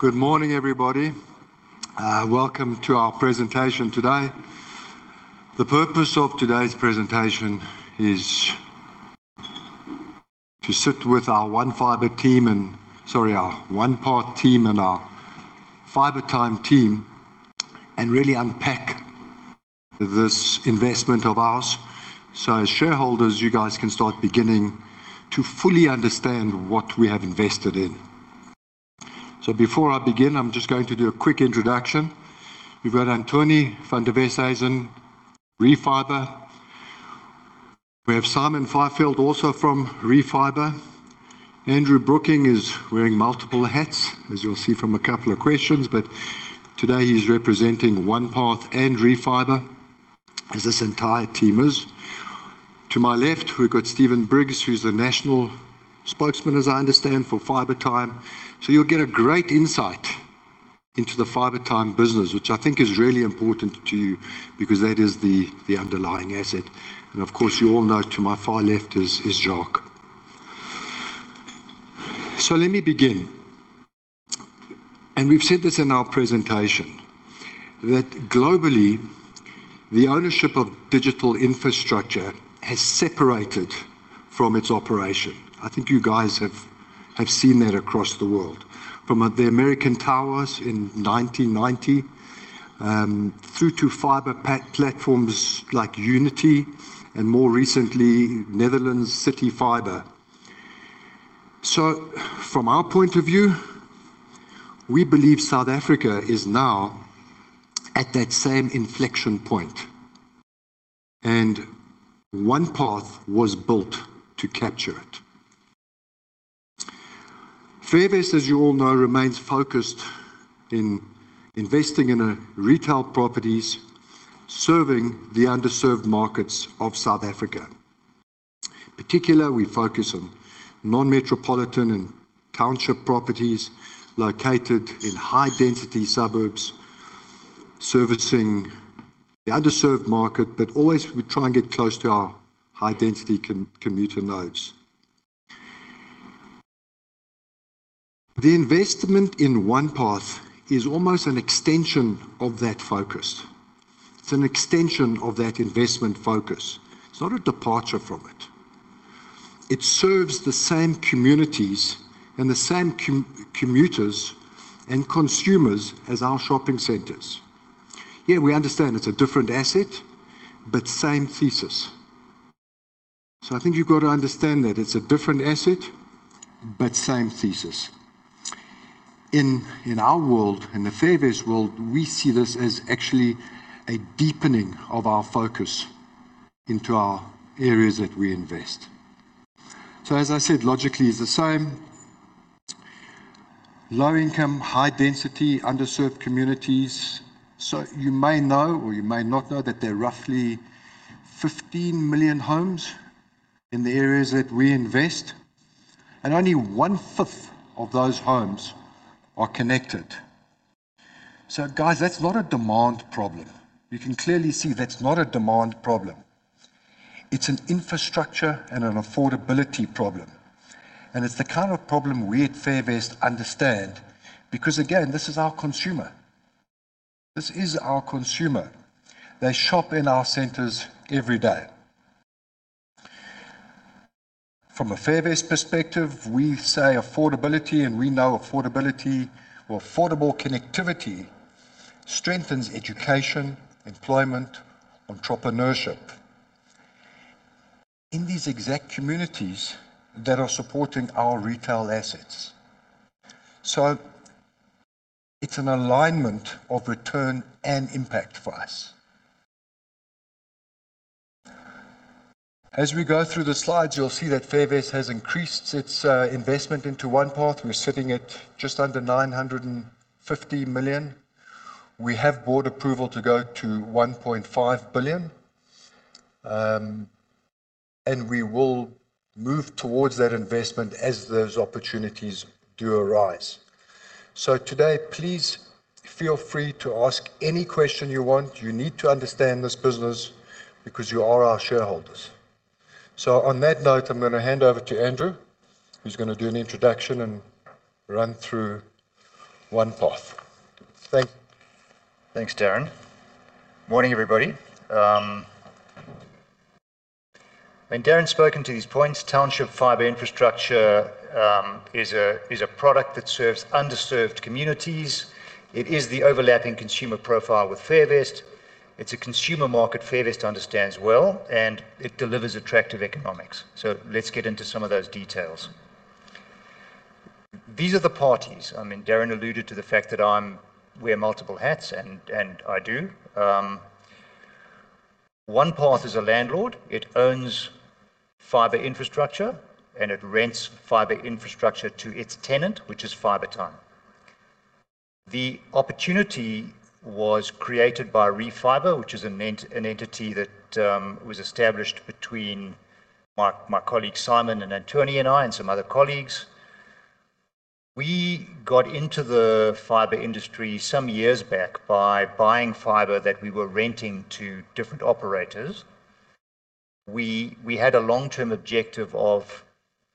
Good morning, everybody. Welcome to our presentation today. The purpose of today's presentation is to sit with our OnePath team and our Fibertime team and really unpack this investment of ours. As shareholders, you guys can start beginning to fully understand what we have invested in. Before I begin, I'm just going to do a quick introduction. We've got Antony van der Westhuizen, Refiber. We have Simon Fifield, also from Refiber. Andrew Brooking is wearing multiple hats, as you'll see from a couple of questions, but today he's representing OnePath and Refiber as this entire team is. To my left, we've got Steve Briggs, who's the National Spokesman, as I understand, for Fibertime. You'll get a great insight into the Fibertime business, which I think is really important to you because that is the underlying asset. Of course, you all know to my far left is Jacques. Let me begin. We've said this in our presentation, that globally, the ownership of digital infrastructure has separated from its operation. I think you guys have seen that across the world. From the American Tower in 1990, through to fiber platforms like Uniti, and more recently, Netherlands City Fiber. From our point of view, we believe South Africa is now at that same inflection point, and OnePath was built to capture it. Fairvest, as you all know, remains focused in investing in retail properties, serving the underserved markets of South Africa. Particular, we focus on non-metropolitan and township properties located in high-density suburbs, servicing the underserved market, but always we try and get close to our high-density commuter nodes. The investment in OnePath is almost an extension of that focus. It's an extension of that investment focus. It's not a departure from it. It serves the same communities and the same commuters and consumers as our shopping centers. Yeah, we understand it's a different asset, but same thesis. I think you've got to understand that it's a different asset but same thesis. In our world, in the Fairvest world, we see this as actually a deepening of our focus into our areas that we invest. As I said, logically is the same. Low income, high density, underserved communities. You may know or you may not know that there are roughly 15 million homes in the areas that we invest, and only 1/5 of those homes are connected. Guys, that's not a demand problem. You can clearly see that's not a demand problem. It's an infrastructure and an affordability problem. It's the kind of problem we at Fairvest understand because again, this is our consumer. This is our consumer. They shop in our centers every day. From a Fairvest perspective, we say affordability and we know affordability or affordable connectivity strengthens education, employment, entrepreneurship in these exact communities that are supporting our retail assets. It's an alignment of return and impact for us. As we go through the slides, you'll see that Fairvest has increased its investment into OnePath. We're sitting at just under 950 million. We have board approval to go to 1.5 billion, and we will move towards that investment as those opportunities do arise. Today, please feel free to ask any question you want. You need to understand this business because you are our shareholders. On that note, I'm going to hand over to Andrew, who's going to do an introduction and run through OnePath. Thank you. Thanks, Darren. Morning, everybody. When Darren's spoken to these points, township fiber infrastructure is a product that serves underserved communities. It is the overlapping consumer profile with Fairvest. It's a consumer market Fairvest understands well, and it delivers attractive economics. Let's get into some of those details. These are the parties. Darren alluded to the fact that I wear multiple hats, and I do. OnePath is a landlord. It owns fiber infrastructure, and it rents fiber infrastructure to its tenant, which is Fibertime. The opportunity was created by Refiber, which is an entity that was established between my colleague Simon and Antony and I and some other colleagues. We got into the fiber industry some years back by buying fiber that we were renting to different operators. We had a long-term objective of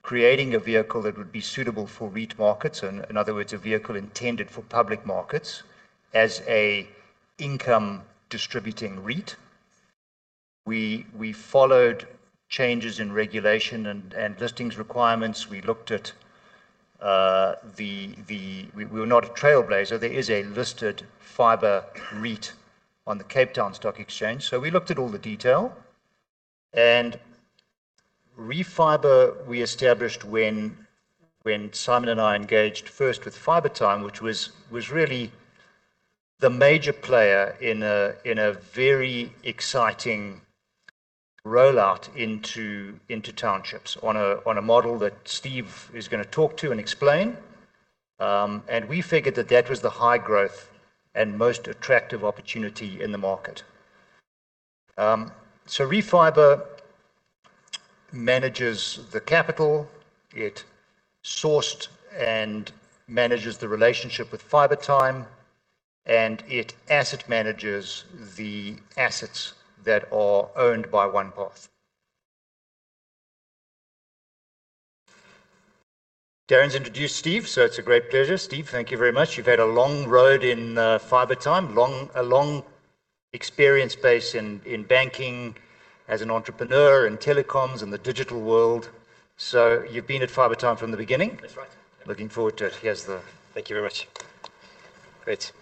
creating a vehicle that would be suitable for REIT markets, in other words, a vehicle intended for public markets as an income distributing REIT. We followed changes in regulation and listings requirements. We were not a trailblazer. There is a listed fiber REIT on the Cape Town Stock Exchange. We looked at all the detail and Refiber, we established when Simon and I engaged first with Fibertime, which was really the major player in a very exciting rollout into townships on a model that Steve is going to talk to and explain. We figured that that was the high growth and most attractive opportunity in the market. Refiber manages the capital, it sourced and manages the relationship with Fibertime, and it asset manages the assets that are owned by OnePath. Darren's introduced Steve, so it's a great pleasure. Steve, thank you very much. You've had a long road in Fibertime, a long experience base in banking as an entrepreneur in telecoms and the digital world. You've been at Fibertime from the beginning? That's right. Looking forward to it. Thank you very much. Great.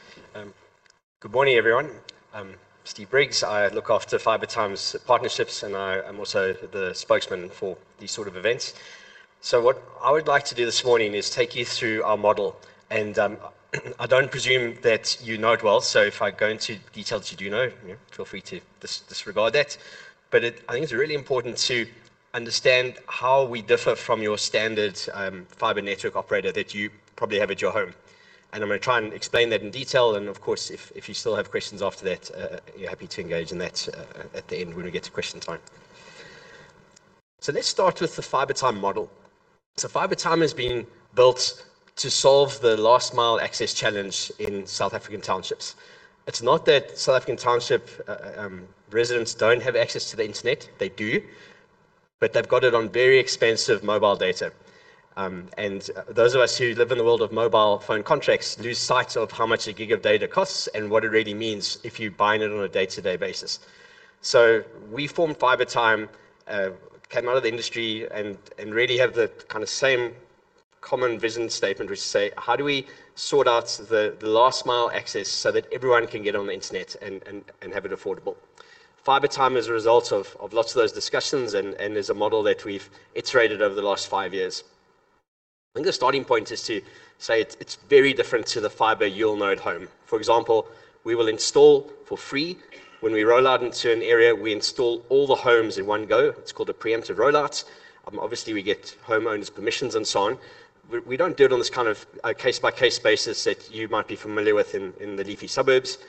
Good morning, everyone. I'm Steve Briggs. I look after Fibertime's partnerships, and I'm also the Spokesman for these sort of events. What I would like to do this morning is take you through our model, and I don't presume that you know it well. If I go into details that you do know, feel free to disregard that. I think it's really important to understand how we differ from your standard fiber network operator that you probably have at your home, and I'm going to try and explain that in detail. Of course, if you still have questions after that, you're happy to engage in that at the end when we get to question time. Let's start with the Fibertime model. Fibertime has been built to solve the last mile access challenge in South African townships. It's not that South African township residents don't have access to the internet. They do, but they've got it on very expensive mobile data. Those of us who live in the world of mobile phone contracts lose sight of how much a gig of data costs and what it really means if you're buying it on a day-to-day basis. We formed Fibertime, came out of the industry and really have the same common vision statement, which is say, how do we sort out the last mile access so that everyone can get on the internet and have it affordable? Fibertime, as a result of lots of those discussions and is a model that we've iterated over the last five years. I think the starting point is to say it's very different to the fiber you'll know at home. For example, we will install for free. When we roll out into an area, we install all the homes in one go. It's called a preemptive rollout. Obviously, we get homeowners' permissions and so on. We don't do it on this kind of a case-by-case basis that you might be familiar with in the leafy suburbs.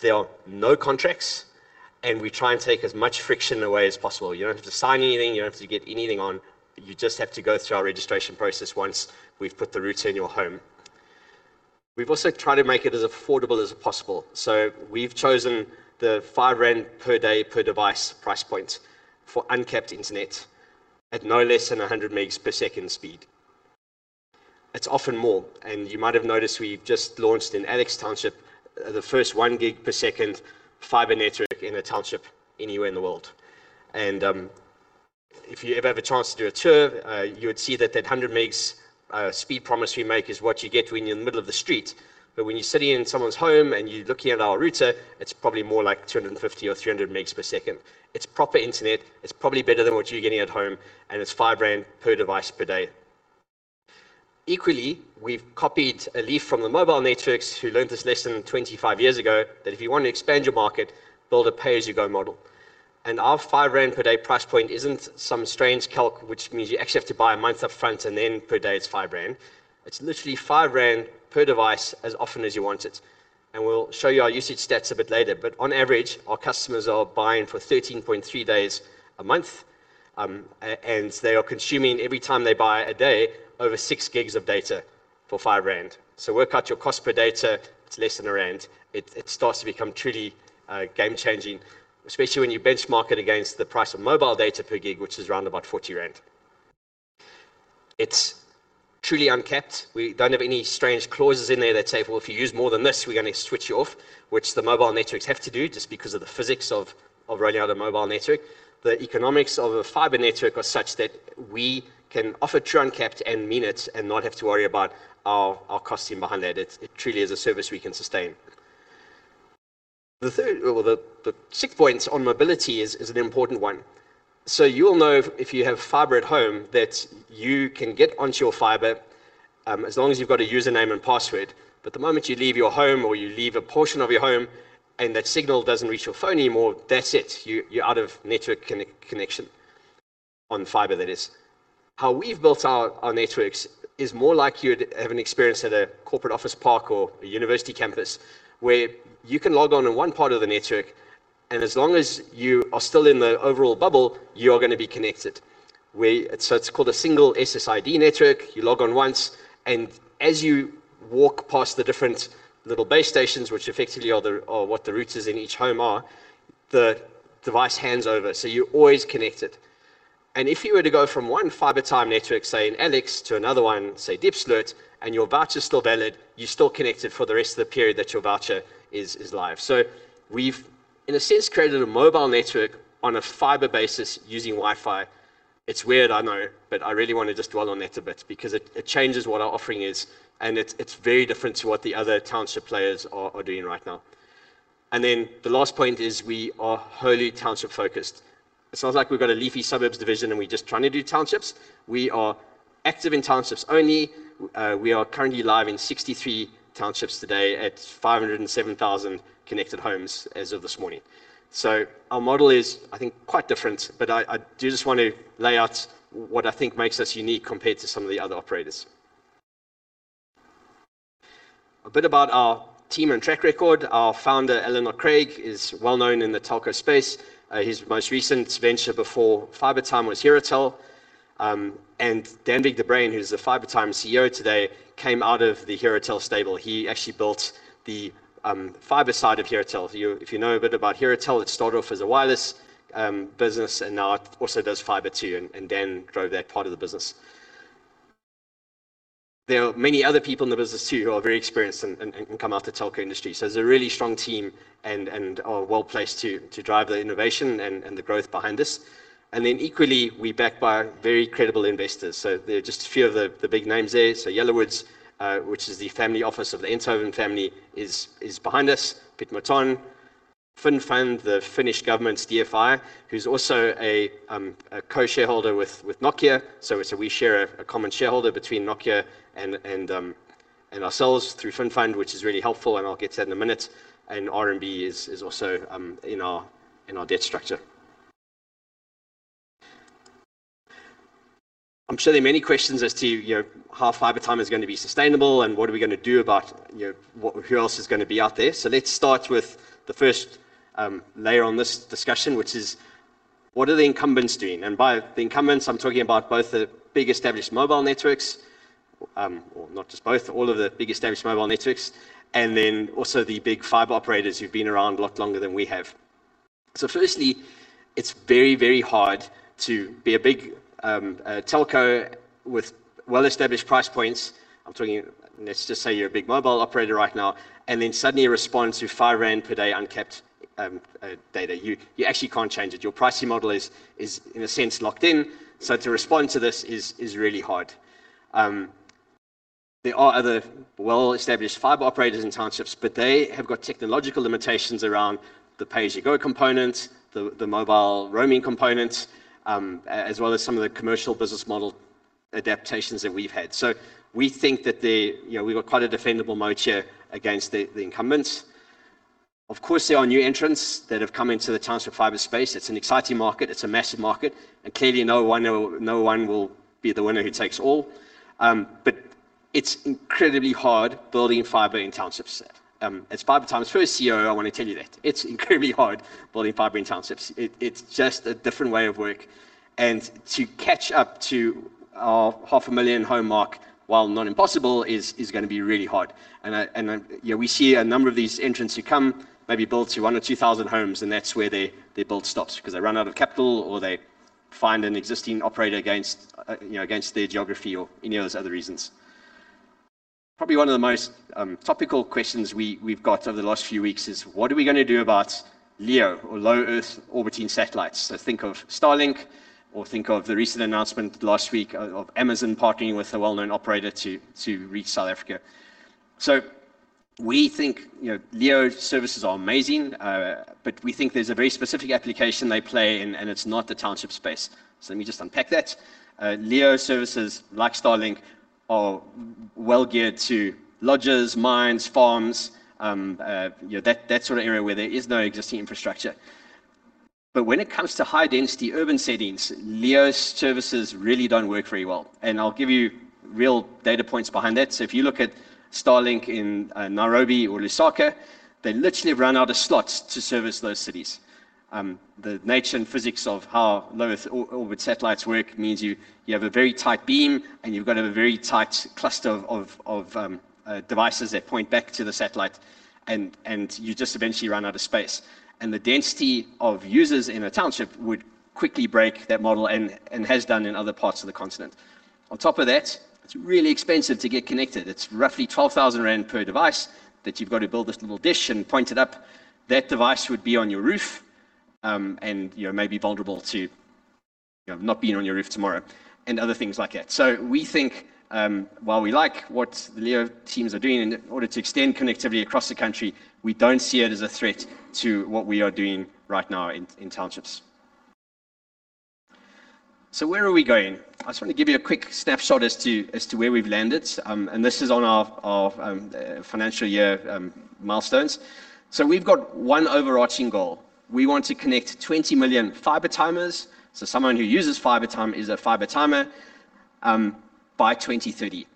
There are no contracts. We try and take as much friction away as possible. You don't have to sign anything. You don't have to get anything on. You just have to go through our registration process once we've put the router in your home. We've also tried to make it as affordable as possible. We've chosen the ZAR five per day per device price point for uncapped internet at no less than 100 Mbps speed. It's often more. You might have noticed we've just launched in Alex Township, the first 1 Gbps fiber network in a township anywhere in the world. If you ever have a chance to do a tour, you would see that that 100 Mbps speed promise we make is what you get when you're in the middle of the street. When you're sitting in someone's home and you're looking at our router, it's probably more like 250 Mbps or 300 Mbps. It's proper internet, it's probably better than what you're getting at home, and it's ZAR five per device per day. Equally, we've copied a leaf from the mobile networks who learned this lesson 25 years ago, that if you want to expand your market, build a pay-as-you-go model. Our 5 rand per day price point isn't some strange calc, which means you actually have to buy a month up front and then per day it's 5 rand. It's literally 5 rand per device as often as you want it. We'll show you our usage stats a bit later, but on average, our customers are buying for 13.3 days a month. They are consuming every time they buy a day over 6 GB of data for 5 rand. Work out your cost per data, it's less than ZAR 1. It starts to become truly game changing, especially when you benchmark it against the price of mobile data per gig, which is around about 40 rand. It's truly uncapped. We don't have any strange clauses in there that say, "Well, if you use more than this, we're going to switch you off," which the mobile networks have to do just because of the physics of rolling out a mobile network. The economics of a fiber network are such that we can offer true uncapped and mean it and not have to worry about our costing behind that. It truly is a service we can sustain. The sixth point on mobility is an important one. You'll know if you have fiber at home that you can get onto your fiber, as long as you've got a username and password, but the moment you leave your home or you leave a portion of your home and that signal doesn't reach your phone anymore, that's it. You're out of network connection, on fiber that is. How we've built our networks is more like you'd have an experience at a corporate office park or a university campus, where you can log on in one part of the network, and as long as you are still in the overall bubble, you are going to be connected. It's called a single SSID network, you log on once, and as you walk past the different little base stations, which effectively are what the routers in each home are, the device hands over, so you're always connected. If you were to go from one Fibertime network, say in Alex, to another one, say Diepsloot, and your voucher's still valid, you're still connected for the rest of the period that your voucher is live. We've, in a sense, created a mobile network on a fiber basis using Wi-Fi. It's weird, I know, I really want to just dwell on that a bit because it changes what our offering is, and it's very different to what the other township players are doing right now. The last point is we are wholly township-focused. It's not like we've got a leafy suburbs division and we're just trying to do townships. We are active in townships only. We are currently live in 63 townships today at 507,000 connected homes as of this morning. Our model is, I think, quite different, but I do just want to lay out what I think makes us unique compared to some of the other operators. A bit about our team and track record. Our Founder, Alan Knott-Craig, is well-known in the telco space. His most recent venture before Fibertime was Herotel. Danvig de Bruyn, who's the Fibertime Chief Executive Officer today, came out of the Herotel stable. He actually built the fiber side of Herotel. If you know a bit about Herotel, it started off as a wireless business and now it also does fiber too, and Dan drove that part of the business. There are many other people in the business too who are very experienced and come out the telco industry. It's a really strong team and are well-placed to drive the innovation and the growth behind this. Equally, we're backed by very credible investors. There are just a few of the big names there. Yellowwoods, which is the family office of the Enthoven family, is behind us. Pitmotown, Finnfund, the Finnish government's DFI, who's also a co-shareholder with Nokia. We share a common shareholder between Nokia and ourselves through Finnfund, which is really helpful, and I'll get to that in a minute. RMB is also in our debt structure. I'm sure there are many questions as to how Fibertime is going to be sustainable and what are we going to do about who else is going to be out there. Let's start with the first layer on this discussion, which is: What are the incumbents doing? By the incumbents, I'm talking about both the big established mobile networks, or not just both, all of the big established mobile networks, and then also the big fiber operators who've been around a lot longer than we have. Firstly, it's very hard to be a big telco with well-established price points. Let's just say you're a big mobile operator right now, then suddenly you respond to 5 rand per day uncapped data. You actually can't change it. Your pricing model is, in a sense, locked in. To respond to this is really hard. There are other well-established fiber operators in townships, but they have got technological limitations around the pay-as-you-go component, the mobile roaming component, as well as some of the commercial business model adaptations that we've had. We think that we've got quite a defendable moats here against the incumbents. Of course, there are new entrants that have come into the township fiber space. It's an exciting market. It's a massive market. Clearly, no one will be the winner who takes all. It's incredibly hard building fiber in townships. As Fibertime's first CEO, I want to tell you that. It's incredibly hard building fiber in townships. It's just a different way of work. To catch up to our half a million home mark, while not impossible, is going to be really hard. We see a number of these entrants who come, maybe build to 1,000 or 2,000 homes, and that's where their build stops because they run out of capital or they find an existing operator against their geography or any of those other reasons. Probably one of the most topical questions we've got over the last few weeks is: What are we going to do about LEO or Low Earth Orbiting satellites? Think of Starlink or think of the recent announcement last week of Amazon partnering with a well-known operator to reach South Africa. We think LEO services are amazing, we think there's a very specific application they play and it's not the township space. Let me just unpack that. LEO services like Starlink are well geared to lodges, mines, farms, that sort of area where there is no existing infrastructure. When it comes to high-density urban settings, LEO services really don't work very well. I'll give you real data points behind that. If you look at Starlink in Nairobi or Lusaka, they literally have run out of slots to service those cities. The nature and physics of how Low Earth Orbit satellites work means you have a very tight beam, you've got to have a very tight cluster of devices that point back to the satellite, you just eventually run out of space. The density of users in a township would quickly break that model and has done in other parts of the continent. On top of that, it's really expensive to get connected. It's roughly 12,000 rand per device that you've got to build this little dish and point it up. That device would be on your roof, and may be vulnerable to not being on your roof tomorrow and other things like that. We think while we like what the LEO teams are doing in order to extend connectivity across the country, we don't see it as a threat to what we are doing right now in townships. Where are we going? I just want to give you a quick snapshot as to where we've landed, and this is on our financial year milestones. We've got one overarching goal. We want to connect 20 million Fibertimers, so someone who uses Fibertime is a Fibertimer. By 2030.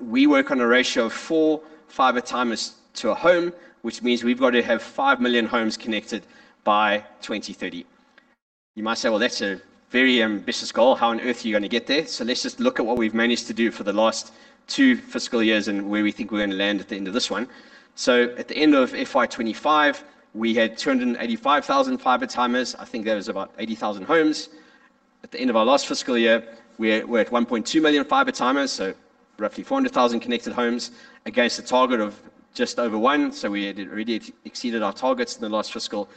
We work on a ratio of four Fibertimers to a home, which means we've got to have 5 million homes connected by 2030. You might say, "Well, that's a very ambitious goal. How on earth are you going to get there?" Let's just look at what we've managed to do for the last two fiscal years and where we think we're going to land at the end of this one. At the end of FY 2025, we had 285,000 Fibertimers. I think that was about 80,000 homes. At the end of our last fiscal year, we're at 1.2 million Fibertimers, so roughly 400,000 connected homes against a target of just over one, we had already exceeded our targets in the last fiscal.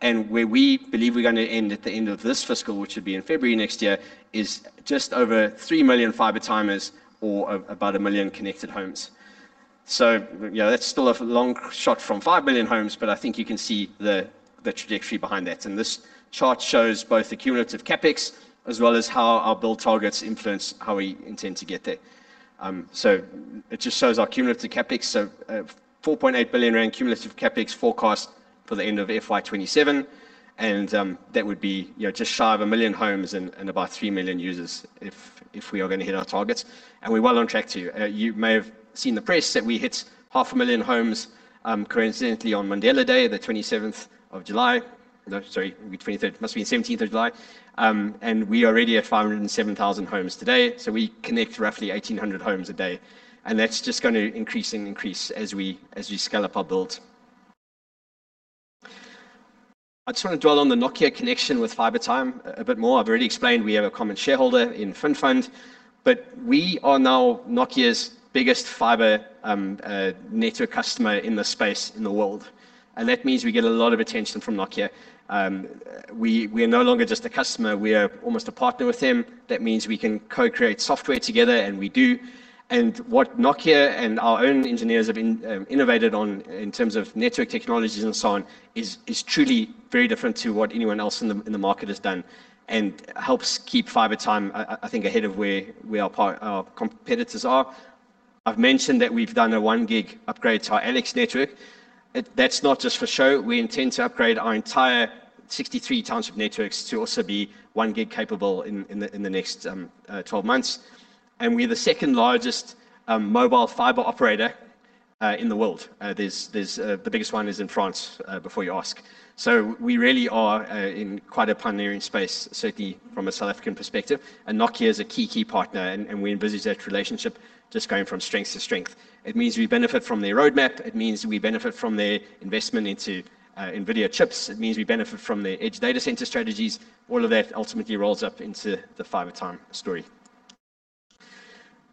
Where we believe we're going to end at the end of this fiscal, which should be in February next year, is just over 3 million Fibertimers or about 1 million connected homes. That's still a long shot from 5 million homes, but I think you can see the trajectory behind that. This chart shows both the cumulative CapEx as well as how our build targets influence how we intend to get there. It just shows our cumulative CapEx, a 4.8 billion rand cumulative CapEx forecast for the end of FY 2027. That would be just shy of 1 million homes and about 3 million users if we are going to hit our targets, and we're well on track to. You may have seen the press that we hit half a million homes, coincidentally on Mandela Day, the 27th of July. No, sorry, 23rd. Must be the 17th of July. We are already at 507,000 homes today, so we connect roughly 1,800 homes a day, and that's just going to increase and increase as we scale up our build. I just want to dwell on the Nokia connection with Fibertime a bit more. I've already explained we have a common shareholder in Finnfund, but we are now Nokia's biggest fiber network customer in the space in the world. That means we get a lot of attention from Nokia. We are no longer just a customer, we are almost a partner with them. That means we can co-create software together, and we do. What Nokia and our own engineers have innovated on in terms of network technologies and so on is truly very different to what anyone else in the market has done and helps keep Fibertime, I think, ahead of where our competitors are. I've mentioned that we've done a 1 Gbps upgrade to our Alex network. That's not just for show. We intend to upgrade our entire 63 township networks to also be 1 Gbps capable in the next 12 months. We're the second-largest mobile fiber operator in the world. The biggest one is in France, before you ask. We really are in quite a pioneering space, certainly from a South African perspective, and Nokia is a key partner, and we envisage that relationship just going from strength to strength. It means we benefit from their roadmap. It means we benefit from their investment into NVIDIA chips. It means we benefit from their edge data center strategies. All of that ultimately rolls up into the Fibertime story.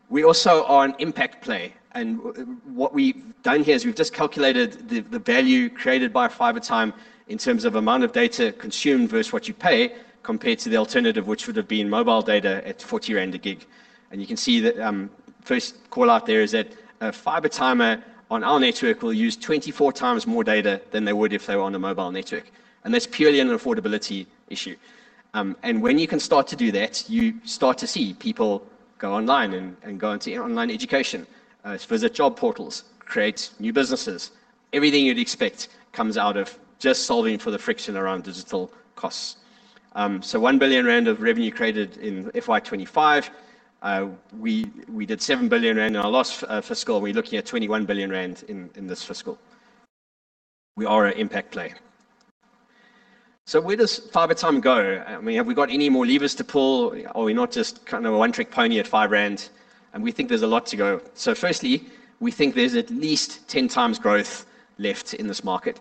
We also are an impact play, and what we've done here is we've just calculated the value created by Fibertime in terms of amount of data consumed versus what you pay, compared to the alternative, which would have been mobile data at 40 rand GB. You can see the first call-out there is that a Fibertimer on our network will use 24 times more data than they would if they were on a mobile network. That's purely an affordability issue. When you can start to do that, you start to see people go online and go into online education, visit job portals, create new businesses. Everything you'd expect comes out of just solving for the friction around digital costs. 1 billion rand of revenue created in FY 2025. We did 7 billion rand in our last fiscal, we're looking at 21 billion rand in this fiscal. We are an impact play. Where does Fibertime go? Have we got any more levers to pull? Are we not just kind of a one-trick pony at 5 rand? We think there's a lot to go. Firstly, we think there's at least 10 times growth left in this market.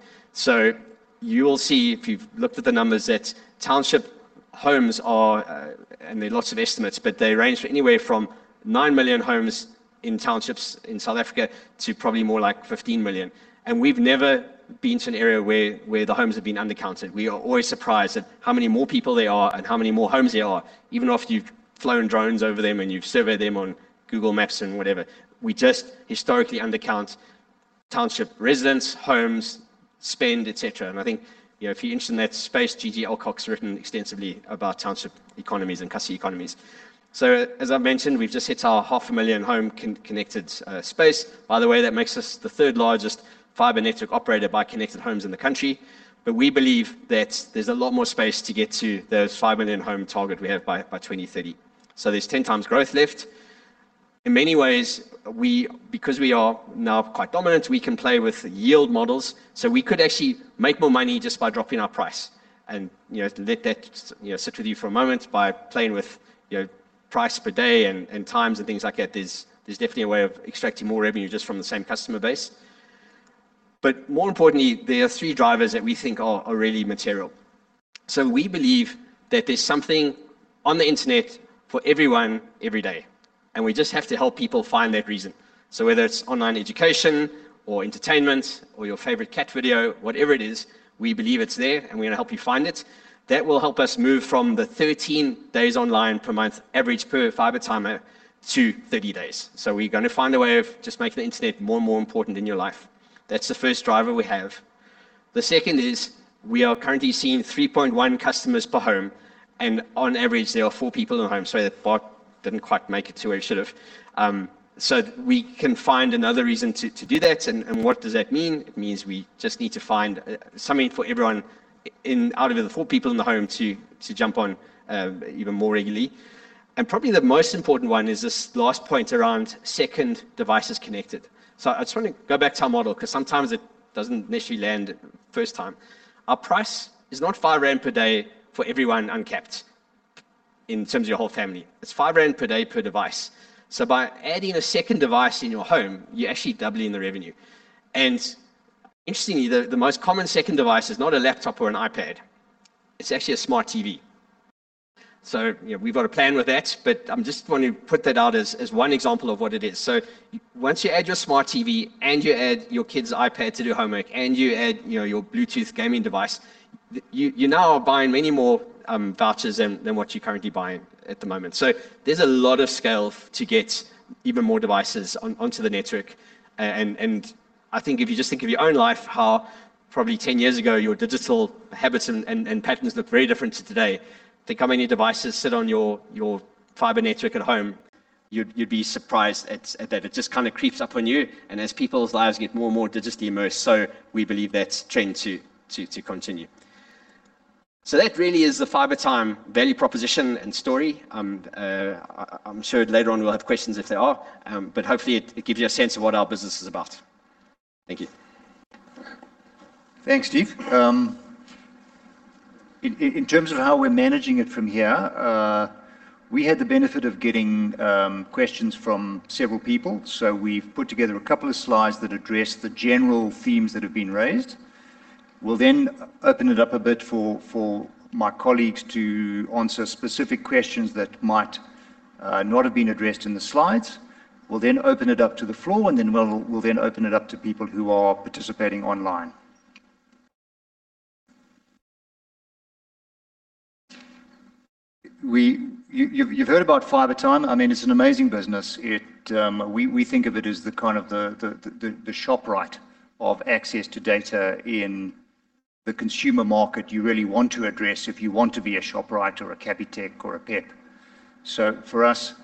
You will see, if you've looked at the numbers, that township homes are, and there are lots of estimates, but they range anywhere from 9 million homes in townships in South Africa to probably more like 15 million. We've never been to an area where the homes have been undercounted. We are always surprised at how many more people there are and how many more homes there are, even after you've flown drones over them and you've surveyed them on Google Maps and whatever. We just historically undercount township residents, homes, spend, et cetera. I think, if you're interested in that space, GG Alcock's written extensively about township economies and kasi economies. As I've mentioned, we've just hit our half a million home connected space. By the way, that makes us the third-largest fiber network operator by connected homes in the country. We believe that there's a lot more space to get to those 5 million home target we have by 2030. There's 10 times growth left. In many ways, because we are now quite dominant, we can play with yield models. We could actually make more money just by dropping our price and let that sit with you for a moment. By playing with price per day and times and things like that, there's definitely a way of extracting more revenue just from the same customer base. More importantly, there are three drivers that we think are really material. We believe that there's something on the internet for everyone, every day, and we just have to help people find that reason. Whether it's online education or entertainment or your favorite cat video, whatever it is, we believe it's there, and we're going to help you find it. That will help us move from the 13 days online per month average per Fibertimer to 30 days. We're going to find a way of just making the internet more and more important in your life. That's the first driver we have. The second is we are currently seeing 3.1 customers per home, and on average, there are four people in a home. Sorry, that part didn't quite make it the way it should have. We can find another reason to do that. What does that mean? It means we just need to find something for everyone out of the four people in the home to jump on even more regularly. Probably the most important one is this last point around second devices connected. I just want to go back to our model because sometimes it doesn't necessarily land first time. Our price is not 5 rand per day for everyone uncapped in terms of your whole family. It's 5 rand per day per device. By adding a second device in your home, you're actually doubling the revenue. Interestingly, the most common second device is not a laptop or an iPad. It's actually a smart TV. We've got a plan with that, but I just want to put that out as one example of what it is. Once you add your smart TV and you add your kid's iPad to do homework, and you add your Bluetooth gaming device, you now are buying many more vouchers than what you're currently buying at the moment. There's a lot of scale to get even more devices onto the network. I think if you just think of your own life, how probably 10 years ago, your digital habits and patterns look very different to today, think how many devices sit on your fiber network at home. You'd be surprised at that. It just kind of creeps up on you. As people's lives get more and more digitally immersed, we believe that's trending to continue. That really is the Fibertime value proposition and story. I'm sure later on we'll have questions if there are, but hopefully, it gives you a sense of what our business is about. Thank you. Thanks, Steve. In terms of how we're managing it from here, we had the benefit of getting questions from several people. We've put together a couple of slides that address the general themes that have been raised. We'll then open it up a bit for my colleagues to answer specific questions that might not have been addressed in the slides. We'll then open it up to the floor, and then we'll open it up to people who are participating online. You've heard about Fibertime. It's an amazing business. We think of it as the kind of the Shoprite of access to data in the consumer market you really want to address if you want to be a Shoprite or a Capitec or a Pep. For us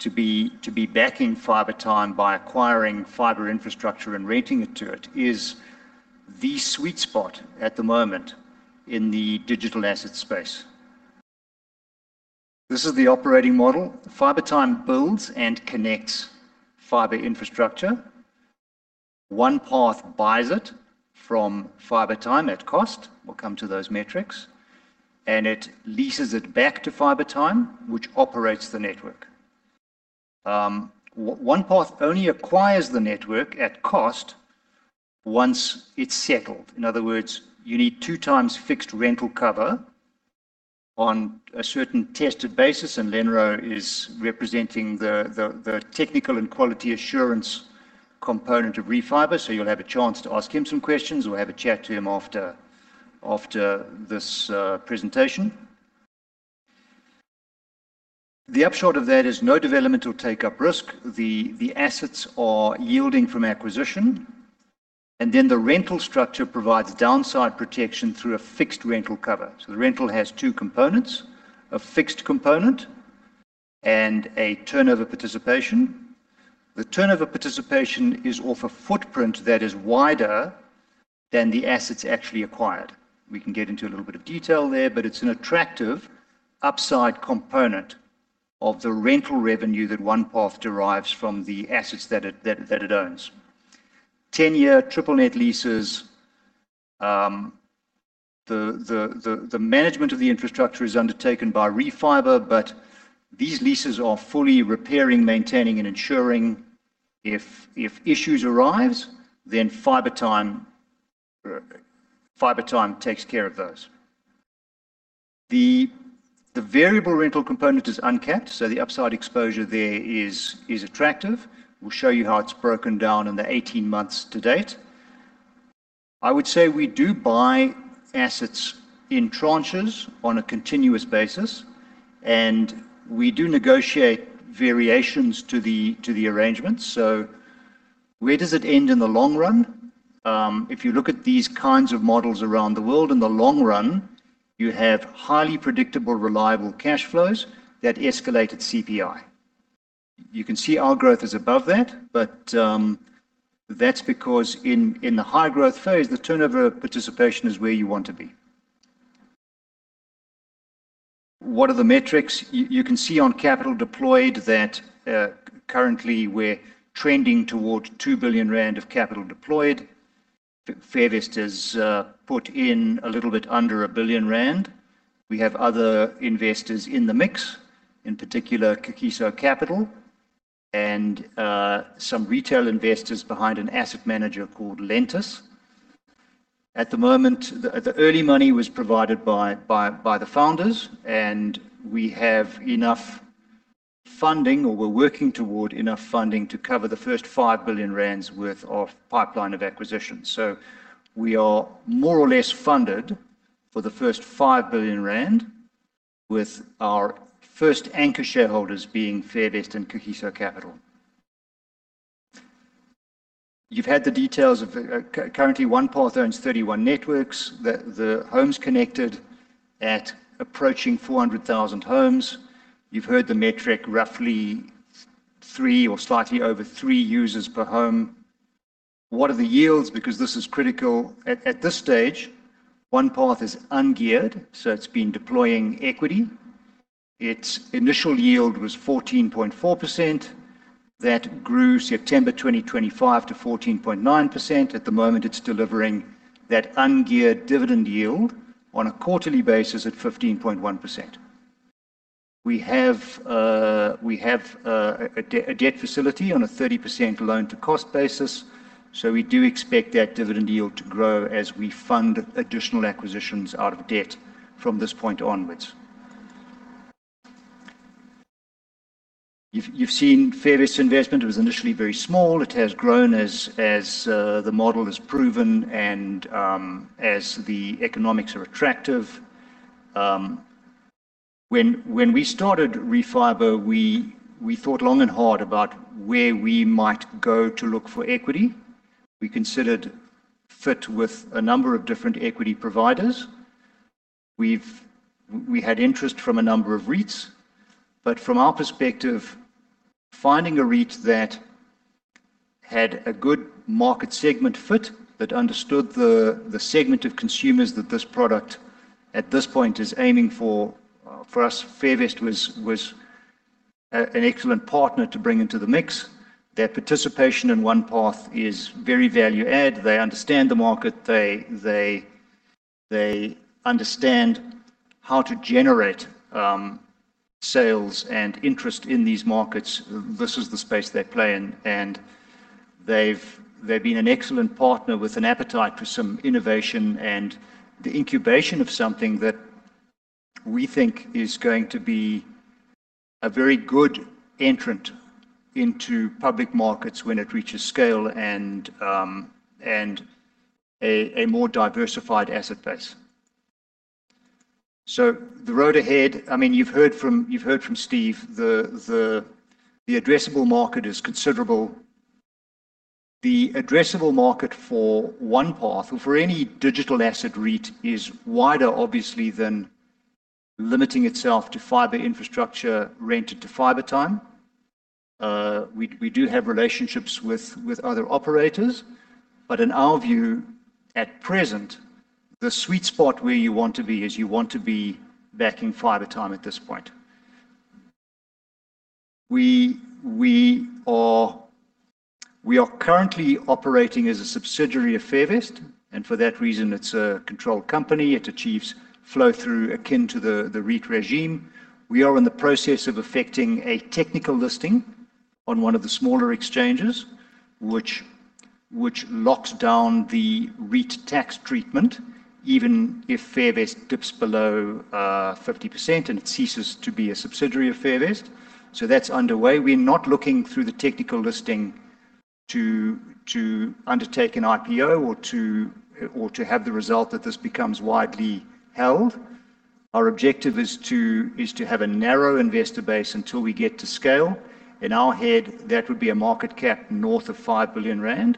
to be backing Fibertime by acquiring fiber infrastructure and renting it to it is the sweet spot at the moment in the digital asset space. This is the operating model. Fibertime builds and connects fiber infrastructure. OnePath buys it from Fibertime at cost. We'll come to those metrics. It leases it back to Fibertime, which operates the network. OnePath only acquires the network at cost once it's settled. In other words, you need two times fixed rental cover on a certain tested basis, and Lenro is representing the technical and quality assurance component of Refiber, so you'll have a chance to ask him some questions or have a chat to him after this presentation. The upshot of that is no development or take-up risk. The assets are yielding from acquisition, and then the rental structure provides downside protection through a fixed rental cover. The rental has two components, a fixed component and a turnover participation. The turnover participation is off a footprint that is wider than the assets actually acquired. We can get into a little bit of detail there, but it's an attractive upside component of the rental revenue that OnePath derives from the assets that it owns. 10-year triple-net leases. The management of the infrastructure is undertaken by Refiber, but these leases are fully repairing, maintaining, and ensuring if issues arise, then Fibertime takes care of those. The variable rental component is uncapped, so the upside exposure there is attractive. We'll show you how it's broken down in the 18 months to date. I would say we do buy assets in tranches on a continuous basis, and we do negotiate variations to the arrangements. Where does it end in the long run? If you look at these kinds of models around the world, in the long run, you have highly predictable, reliable cash flows that escalate at CPI. You can see our growth is above that, but that's because in the high growth phase, the turnover participation is where you want to be. What are the metrics? You can see on capital deployed that currently we're trending toward 2 billion rand of capital deployed. Fairvest has put in a little bit under 1 billion rand. We have other investors in the mix, in particular, Kagiso Capital and some retail investors behind an asset manager called Lentus. At the moment, the early money was provided by the founders, and we have enough funding, or we're working toward enough funding to cover the first 5 billion rand worth of pipeline of acquisitions. We are more or less funded for the first 5 billion rand with our first anchor shareholders being Fairvest and Kagiso Capital. You've had the details of currently OnePath owns 31 networks. The homes connected at approaching 400,000 homes. You've heard the metric roughly three or slightly over three users per home. What are the yields? Because this is critical. At this stage, OnePath is ungeared, so it's been deploying equity. Its initial yield was 14.4%. That grew September 2025 to 14.9%. At the moment, it's delivering that ungeared dividend yield on a quarterly basis at 15.1%. We have a debt facility on a 30% loan-to-cost basis. We do expect that dividend yield to grow as we fund additional acquisitions out of debt from this point onwards. You've seen Fairvest investment. It was initially very small. It has grown as the model is proven and as the economics are attractive. When we started Refiber, we thought long and hard about where we might go to look for equity. We considered fit with a number of different equity providers. We had interest from a number of REITs, but from our perspective, finding a REIT that had a good market segment fit, that understood the segment of consumers that this product at this point is aiming for us, Fairvest was an excellent partner to bring into the mix. Their participation in OnePath is very value add. They understand the market. They understand how to generate sales and interest in these markets. This is the space they play in, they've been an excellent partner with an appetite for some innovation and the incubation of something that we think is going to be a very good entrant into public markets when it reaches scale and a more diversified asset base. The road ahead, you've heard from Steve, the addressable market is considerable. The addressable market for OnePath or for any digital asset REIT is wider, obviously, than limiting itself to fiber infrastructure rented to Fibertime. We do have relationships with other operators, but in our view, at present, the sweet spot where you want to be is you want to be backing Fibertime at this point. We are currently operating as a subsidiary of Fairvest, for that reason, it's a controlled company. It achieves flow through akin to the REIT regime. We are in the process of effecting a technical listing on one of the smaller exchanges, which locks down the REIT tax treatment, even if Fairvest dips below 50% and it ceases to be a subsidiary of Fairvest. That's underway. We're not looking through the technical listing to undertake an IPO or to have the result that this becomes widely held. Our objective is to have a narrow investor base until we get to scale. In our head, that would be a market cap north of 5 billion rand.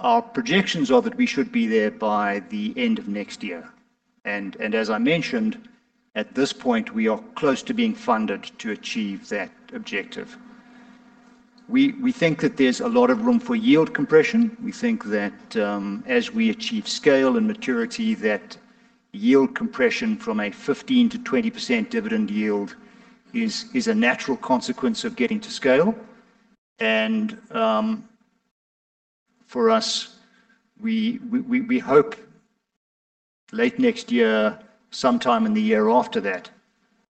Our projections are that we should be there by the end of next year. As I mentioned, at this point, we are close to being funded to achieve that objective. We think that there's a lot of room for yield compression. We think that as we achieve scale and maturity, that yield compression from a 15%-20% dividend yield is a natural consequence of getting to scale. For us, we hope late next year, sometime in the year after that,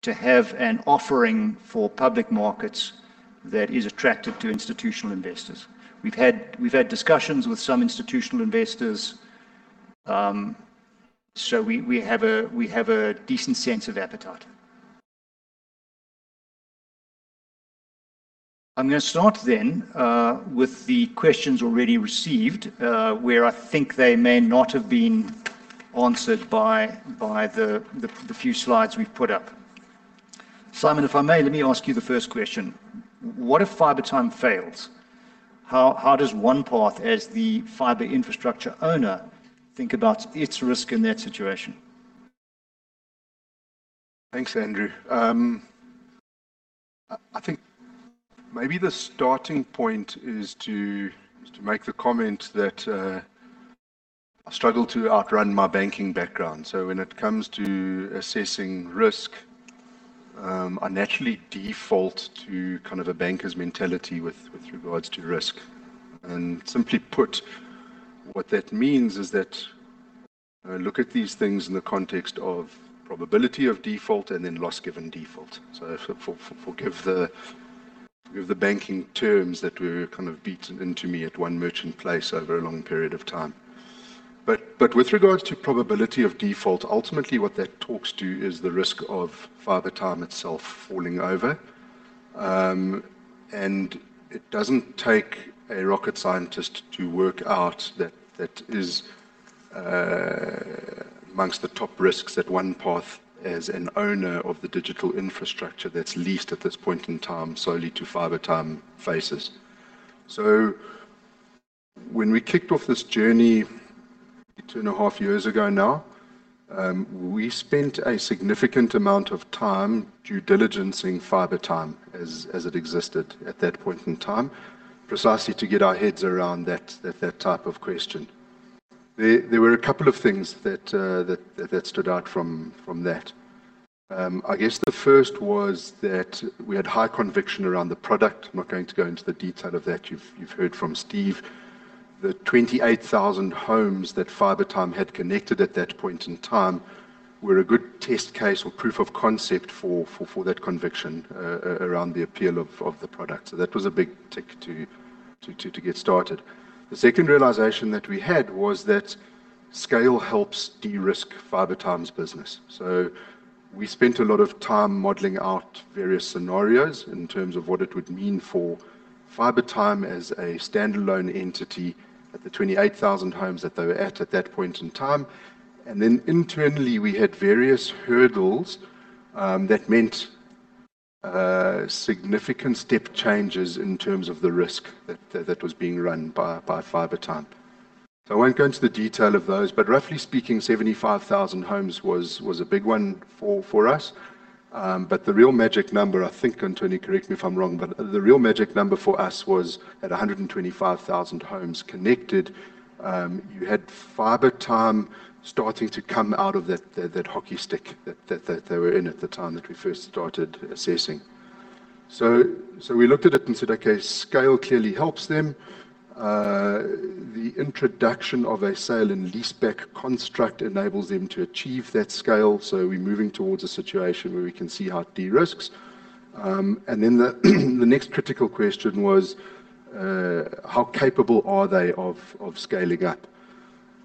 to have an offering for public markets that is attractive to institutional investors. We've had discussions with some institutional investors, we have a decent sense of appetite. I'm going to start then with the questions already received, where I think they may not have been answered by the few slides we've put up. Simon, if I may, let me ask you the first question. What if Fibertime fails? How does OnePath, as the fiber infrastructure owner, think about its risk in that situation? Thanks, Andrew. I think maybe the starting point is to make the comment that I struggle to outrun my banking background. When it comes to assessing risk, I naturally default to kind of a banker's mentality with regards to risk. Simply put, what that means is that I look at these things in the context of probability of default and then loss given default. Forgive the banking terms that were kind of beaten into me at One Merchant Place over a long period of time. With regards to probability of default, ultimately what that talks to is the risk of Fibertime itself falling over. It doesn't take a rocket scientist to work out that that is amongst the top risks that OnePath, as an owner of the digital infrastructure that's leased at this point in time solely to Fibertime faces. When we kicked off this journey two and a half years ago now, we spent a significant amount of time due diligencing Fibertime as it existed at that point in time, precisely to get our heads around that type of question. There were a couple of things that stood out from that. I guess the first was that we had high conviction around the product. I'm not going to go into the detail of that. You've heard from Steve that 28,000 homes that Fibertime had connected at that point in time were a good test case or proof of concept for that conviction around the appeal of the product. That was a big tick to get started. The second realization that we had was that scale helps de-risk Fibertime's business. We spent a lot of time modeling out various scenarios in terms of what it would mean for Fibertime as a standalone entity at the 28,000 homes that they were at that point in time. Internally, we had various hurdles that meant significant step changes in terms of the risk that was being run by Fibertime. I won't go into the detail of those, but roughly speaking, 75,000 homes was a big one for us. The real magic number, I think, and Tony, correct me if I'm wrong, but the real magic number for us was at 125,000 homes connected. You had Fibertime starting to come out of that hockey stick that they were in at the time that we first started assessing. We looked at it and said, "Okay, scale clearly helps them." The introduction of a sale and leaseback construct enables them to achieve that scale. We're moving towards a situation where we can see how it de-risks. The next critical question was, how capable are they of scaling up?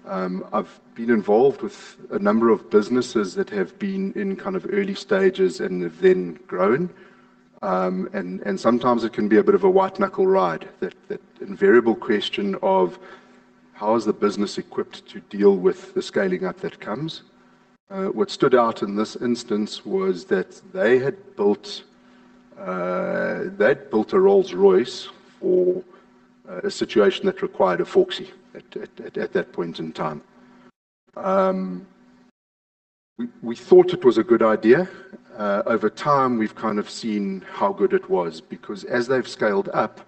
I've been involved with a number of businesses that have been in kind of early stages and have then grown. Sometimes it can be a bit of a white-knuckle ride. That invariable question of how is the business equipped to deal with the scaling up that comes? What stood out in this instance was that they had built a Rolls-Royce for a situation that required a Ford Figo at that point in time. We thought it was a good idea. Over time, we've kind of seen how good it was, because as they've scaled up,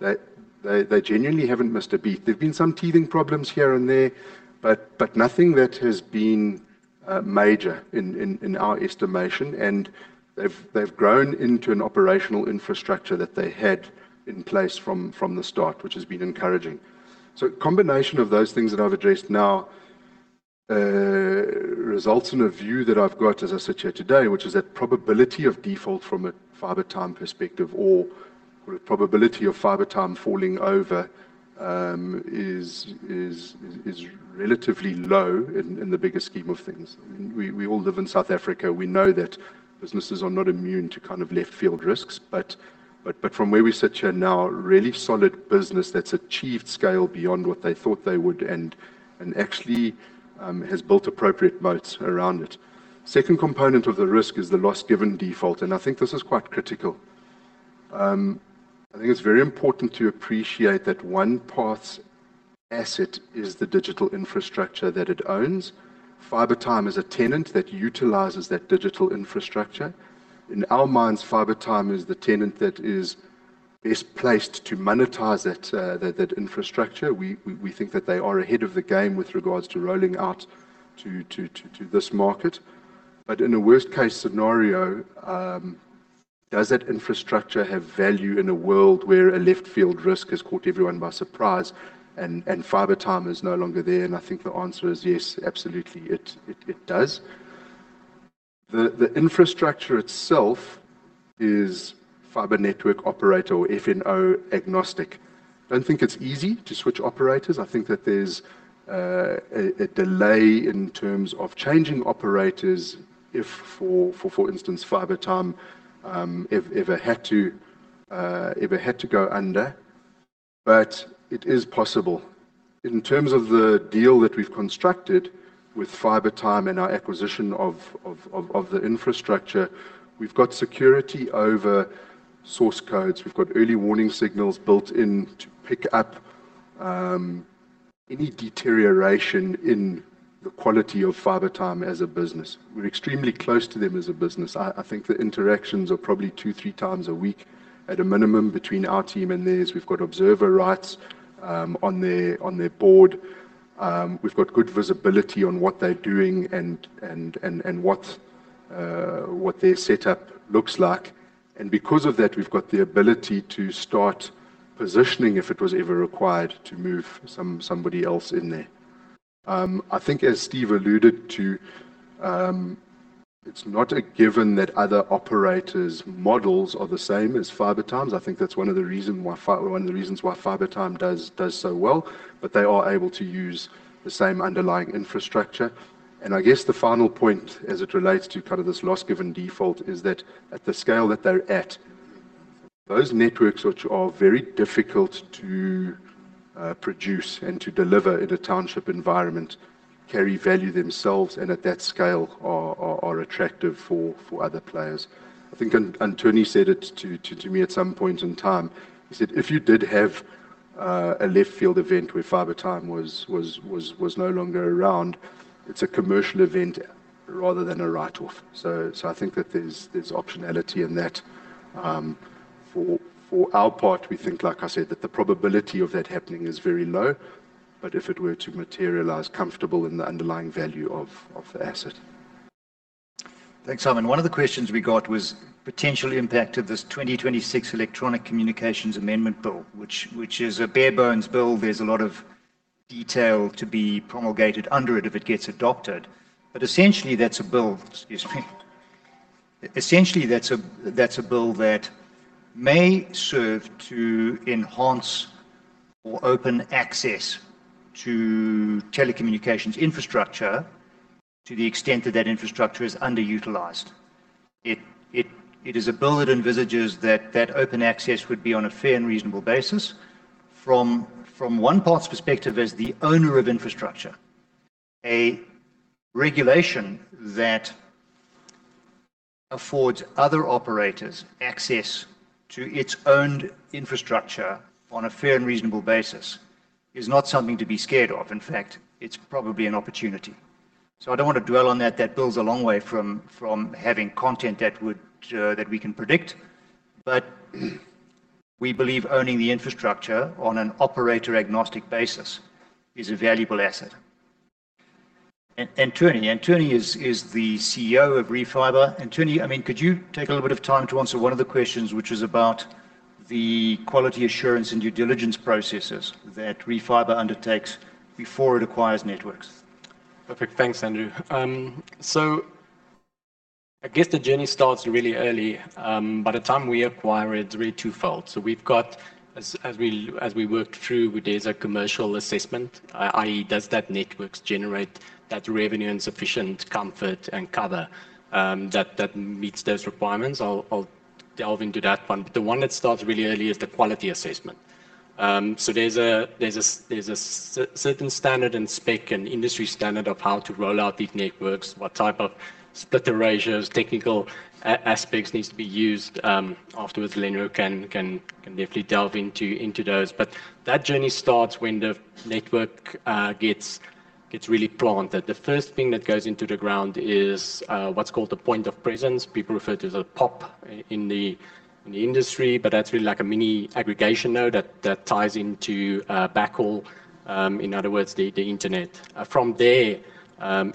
they genuinely haven't missed a beat. There've been some teething problems here and there, but nothing that has been major in our estimation. They've grown into an operational infrastructure that they had in place from the start, which has been encouraging. Combination of those things that I've addressed now results in a view that I've got, as I sit here today, which is that probability of default from a Fibertime perspective or probability of Fibertime falling over is relatively low in the bigger scheme of things. We all live in South Africa. We know that businesses are not immune to kind of left-field risks. From where we sit here now, really solid business that's achieved scale beyond what they thought they would and actually has built appropriate moats around it. Second component of the risk is the loss given default, and I think this is quite critical. I think it's very important to appreciate that OnePath's asset is the digital infrastructure that it owns. Fibertime is a tenant that utilizes that digital infrastructure. In our minds, Fibertime is the tenant that is best placed to monetize that infrastructure. We think that they are ahead of the game with regards to rolling out to this market. In a worst-case scenario, does that infrastructure have value in a world where a left-field risk has caught everyone by surprise and Fibertime is no longer there? I think the answer is yes, absolutely, it does. The infrastructure itself is fiber network operator or FNO agnostic. Don't think it's easy to switch operators. I think that there's a delay in terms of changing operators if, for instance, Fibertime ever had to go under. It is possible. In terms of the deal that we've constructed with Fibertime and our acquisition of the infrastructure, we've got security over source codes. We've got early warning signals built in to pick up any deterioration in the quality of Fibertime as a business. We're extremely close to them as a business. I think the interactions are probably 2, 3 times a week at a minimum between our team and theirs. We've got observer rights on their board. We've got good visibility on what they're doing and what their setup looks like. Because of that, we've got the ability to start positioning if it was ever required to move somebody else in there. I think as Steve alluded to, it's not a given that other operators' models are the same as Fibertime's. I think that's one of the reasons why Fibertime does so well, but they are able to use the same underlying infrastructure. I guess the final point as it relates to kind of this loss given default is that at the scale that they're at Those networks which are very difficult to produce and to deliver in a township environment carry value themselves and at that scale are attractive for other players. I think Antony said it to me at some point in time. He said, "If you did have a left-field event where Fibertime was no longer around, it's a commercial event rather than a write-off." I think that there's optionality in that. For our part, we think, like I said, that the probability of that happening is very low, but if it were to materialize, comfortable in the underlying value of the asset. Thanks, One of the questions we got was potential impact of this 2026 Electronic Communications Amendment Bill, which is a bare bones bill. There is a lot of detail to be promulgated under it if it gets adopted. Essentially that is a bill that may serve to enhance or open access to telecommunications infrastructure to the extent that that infrastructure is underutilized. It is a bill that envisages that open access would be on a fair and reasonable basis. From OnePath's perspective as the owner of infrastructure, a regulation that affords other operators access to its owned infrastructure on a fair and reasonable basis is not something to be scared of. In fact, it is probably an opportunity. I do not want to dwell on that. That bill is a long way from having content that we can predict. We believe owning the infrastructure on an operator-agnostic basis is a valuable asset. Antony is the Chief Executive Officer of Refiber. Antony, could you take a little bit of time to answer one of the questions, which is about the quality assurance and due diligence processes that Refiber undertakes before it acquires networks? Perfect. Thanks, Andrew. I guess the journey starts really early. By the time we acquire, it is really twofold. We have got, as we worked through, there is a commercial assessment, i.e., does that networks generate that revenue and sufficient comfort and cover that meets those requirements? I will delve into that one. The one that starts really early is the quality assessment. There is a certain standard and spec and industry standard of how to roll out these networks, what type of splitter ratios, technical aspects needs to be used. Afterwards, Lenro can definitely delve into those. That journey starts when the network gets really planted. The first thing that goes into the ground is what is called the point of presence. People refer to as a POP in the industry, but that is really like a mini aggregation node that ties into a backhaul. In other words, the internet. From there,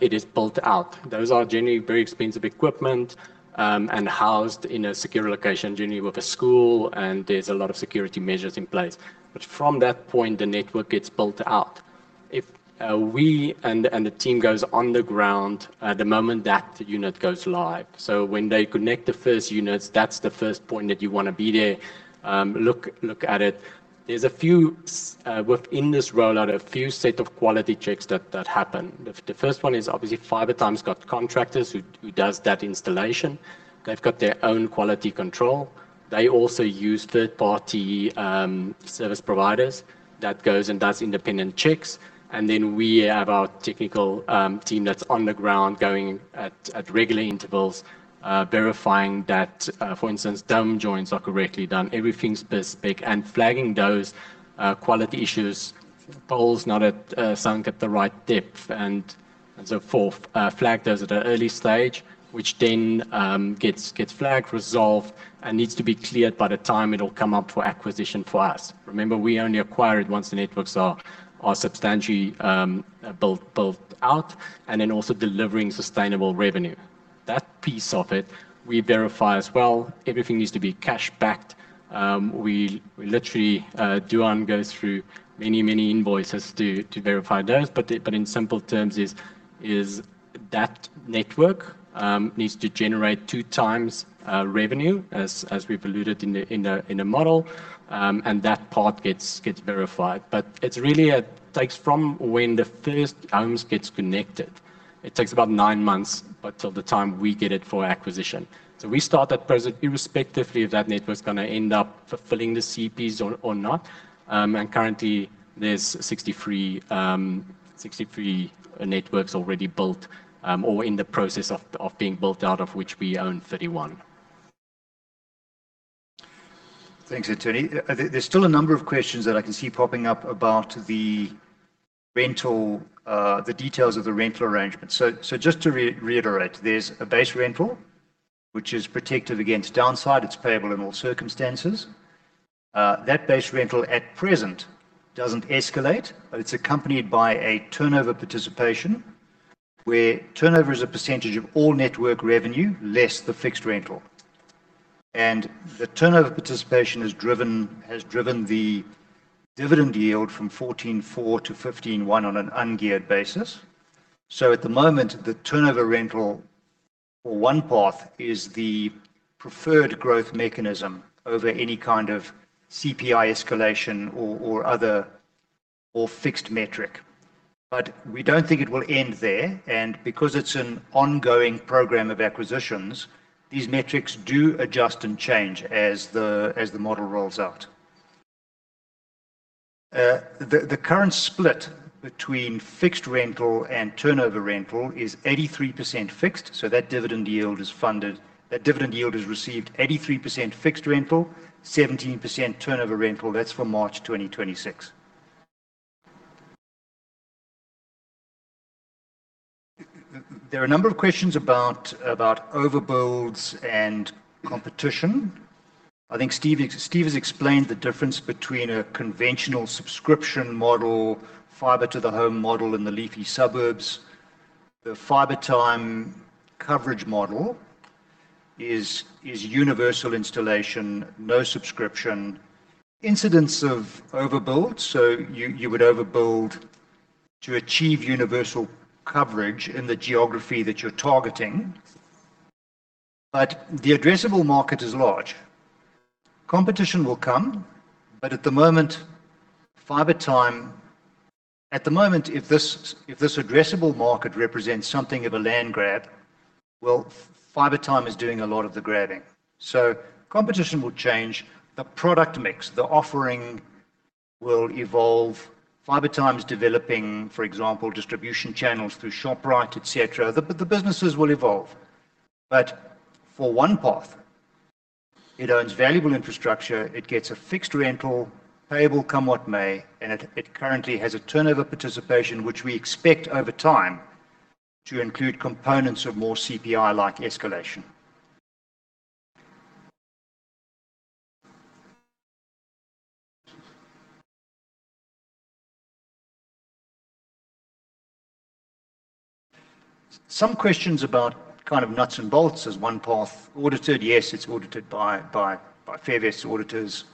it is built out. Those are generally very expensive equipment, and housed in a secure location, generally with a school, and there is a lot of security measures in place. From that point, the network gets built out. We and the team goes on the ground the moment that unit goes live. When they connect the first units, that is the first point that you want to be there. Look at it. There is a few within this rollout, a few set of quality checks that happen. The first one is obviously Fibertime's got contractors who does that installation. They have got their own quality control. They also use third-party service providers that goes and does independent checks. We have our technical team that's on the ground going at regular intervals, verifying that, for instance, dome joints are correctly done, everything's per spec, and flagging those quality issues, poles not sunk at the right depth and so forth. Flag those at an early stage, which gets flagged, resolved, and needs to be cleared by the time it'll come up for acquisition for us. Remember, we only acquire it once the networks are substantially built out and also delivering sustainable revenue. That piece of it, we verify as well. Everything needs to be cash-backed. Literally, Deon goes through many, many invoices to verify those. In simple terms is that network needs to generate 2 times revenue as we've alluded in the model. That part gets verified. It takes from when the first homes gets connected. It takes about nine months by till the time we get it for acquisition. We start that process irrespective if that network's going to end up fulfilling the CPs or not. Currently, there's 63 networks already built or in the process of being built out of which we own 31. Thanks, Antony. There's still a number of questions that I can see popping up about the details of the rental arrangement. Just to reiterate, there's a base rental, which is protective against downside. It's payable in all circumstances. That base rental at present doesn't escalate, but it's accompanied by a turnover participation, where turnover is a percentage of all network revenue less the fixed rental. The turnover participation has driven the dividend yield from 14.4%-15.1% on an ungeared basis. At the moment, the turnover rental for OnePath is the preferred growth mechanism over any kind of CPI escalation or other fixed metric. We don't think it will end there, and because it's an ongoing program of acquisitions, these metrics do adjust and change as the model rolls out. The current split between fixed rental and turnover rental is 83% fixed, so that dividend yield is received 83% fixed rental, 17% turnover rental. That's for March 2026. There are a number of questions about overbuilds and competition. I think Steve has explained the difference between a conventional subscription model, fiber-to-the-home model in the leafy suburbs. The Fibertime coverage model is universal installation, no subscription. Incidence of overbuild. You would overbuild to achieve universal coverage in the geography that you're targeting. The addressable market is large. Competition will come, but at the moment, if this addressable market represents something of a land grab, well, Fibertime is doing a lot of the grabbing. Competition will change the product mix. The offering will evolve. Fibertime's developing, for example, distribution channels through Shoprite, et cetera. The businesses will evolve. For OnePath, it owns valuable infrastructure. It gets a fixed rental payable come what may, it currently has a turnover participation, which we expect over time to include components of more CPI-like escalation. Some questions about nuts and bolts. Is OnePath audited? Yes, it's audited by Fairvest auditors.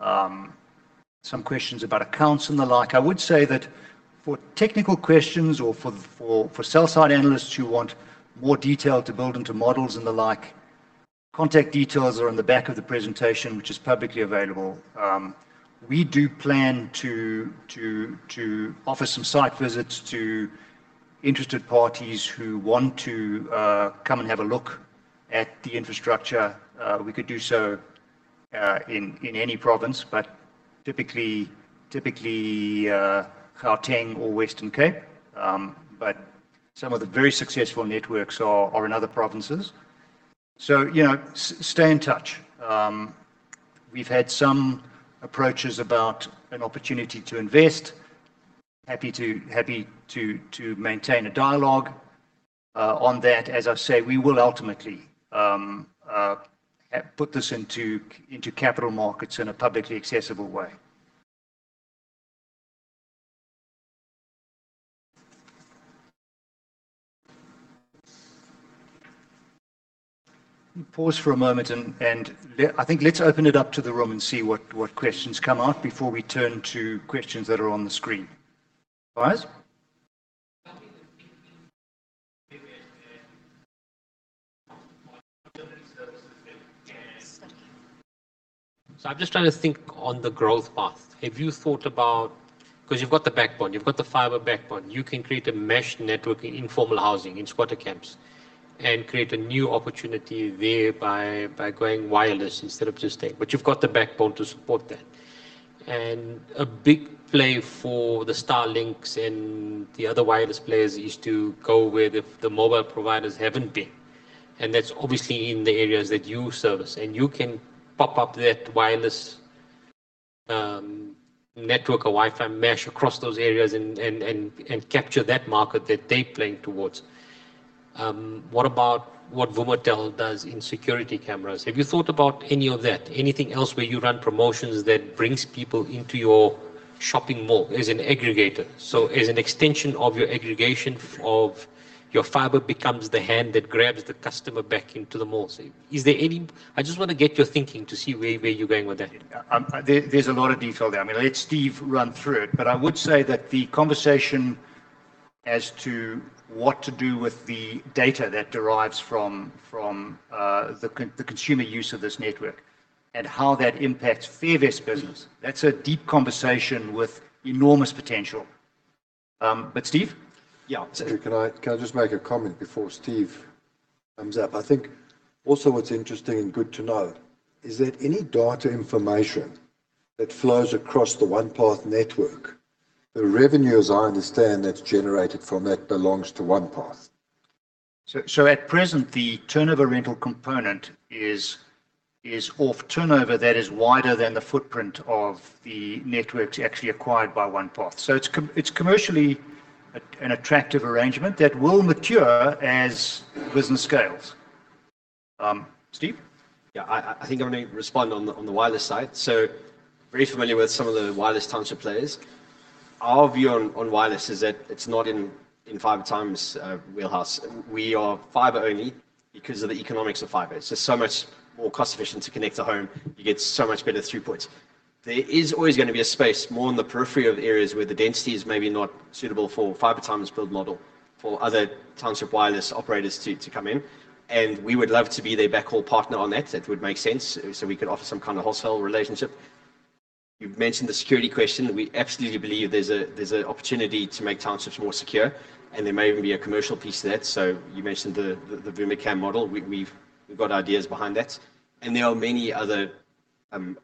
Some questions about accounts and the like. I would say that for technical questions or for sell-side analysts who want more detail to build into models and the like, contact details are on the back of the presentation, which is publicly available. We do plan to offer some site visits to interested parties who want to come and have a look at the infrastructure. We could do so in any province, but typically Gauteng or Western Cape. Some of the very successful networks are in other provinces. Stay in touch. We've had some approaches about an opportunity to invest. Happy to maintain a dialogue on that. As I say, we will ultimately put this into capital markets in a publicly accessible way. Pause for a moment I think let's open it up to the room and see what questions come out before we turn to questions that are on the screen. Guys? I'm just trying to think on the growth path. Have you thought about You've got the fiber backbone. You can create a mesh network in informal housing, in squatter camps, create a new opportunity there by going wireless instead of just that. You've got the backbone to support that. A big play for the Starlink and the other wireless players is to go where the mobile providers haven't been, that's obviously in the areas that you service. You can pop up that wireless network or Wi-Fi mesh across those areas and capture that market that they're playing towards. What about what Vumatel does in security cameras? Have you thought about any of that? Anything else where you run promotions that brings people into your shopping mall as an aggregator? As an extension of your aggregation of your fiber becomes the hand that grabs the customer back into the mall. I just want to get your thinking to see where you're going with that. There's a lot of detail there. I'm going to let Steve run through it, I would say that the conversation as to what to do with the data that derives from the consumer use of this network and how that impacts Fairvest business, that's a deep conversation with enormous potential. Steve? Yeah. Can I just make a comment before Steve comes up? I think also what's interesting and good to know is that any data information that flows across the OnePath network, the revenues I understand that's generated from that belongs to OnePath. At present, the turnover rental component is off turnover that is wider than the footprint of the networks actually acquired by OnePath. It's commercially an attractive arrangement that will mature as the business scales. Steve? Yeah, I think I want to respond on the wireless side. Very familiar with some of the wireless township players. Our view on wireless is that it's not in Fibertime's wheelhouse. We are fiber only because of the economics of fiber. It's just so much more cost efficient to connect a home. You get so much better throughput. There is always going to be a space more in the periphery of areas where the density is maybe not suitable for Fibertime's build model for other township wireless operators to come in, and we would love to be their backhaul partner on that. That would make sense. We could offer some kind of wholesale relationship. You've mentioned the security question. We absolutely believe there's an opportunity to make townships more secure, and there may even be a commercial piece to that. You mentioned the Vumacam model. We've got ideas behind that, and there are many other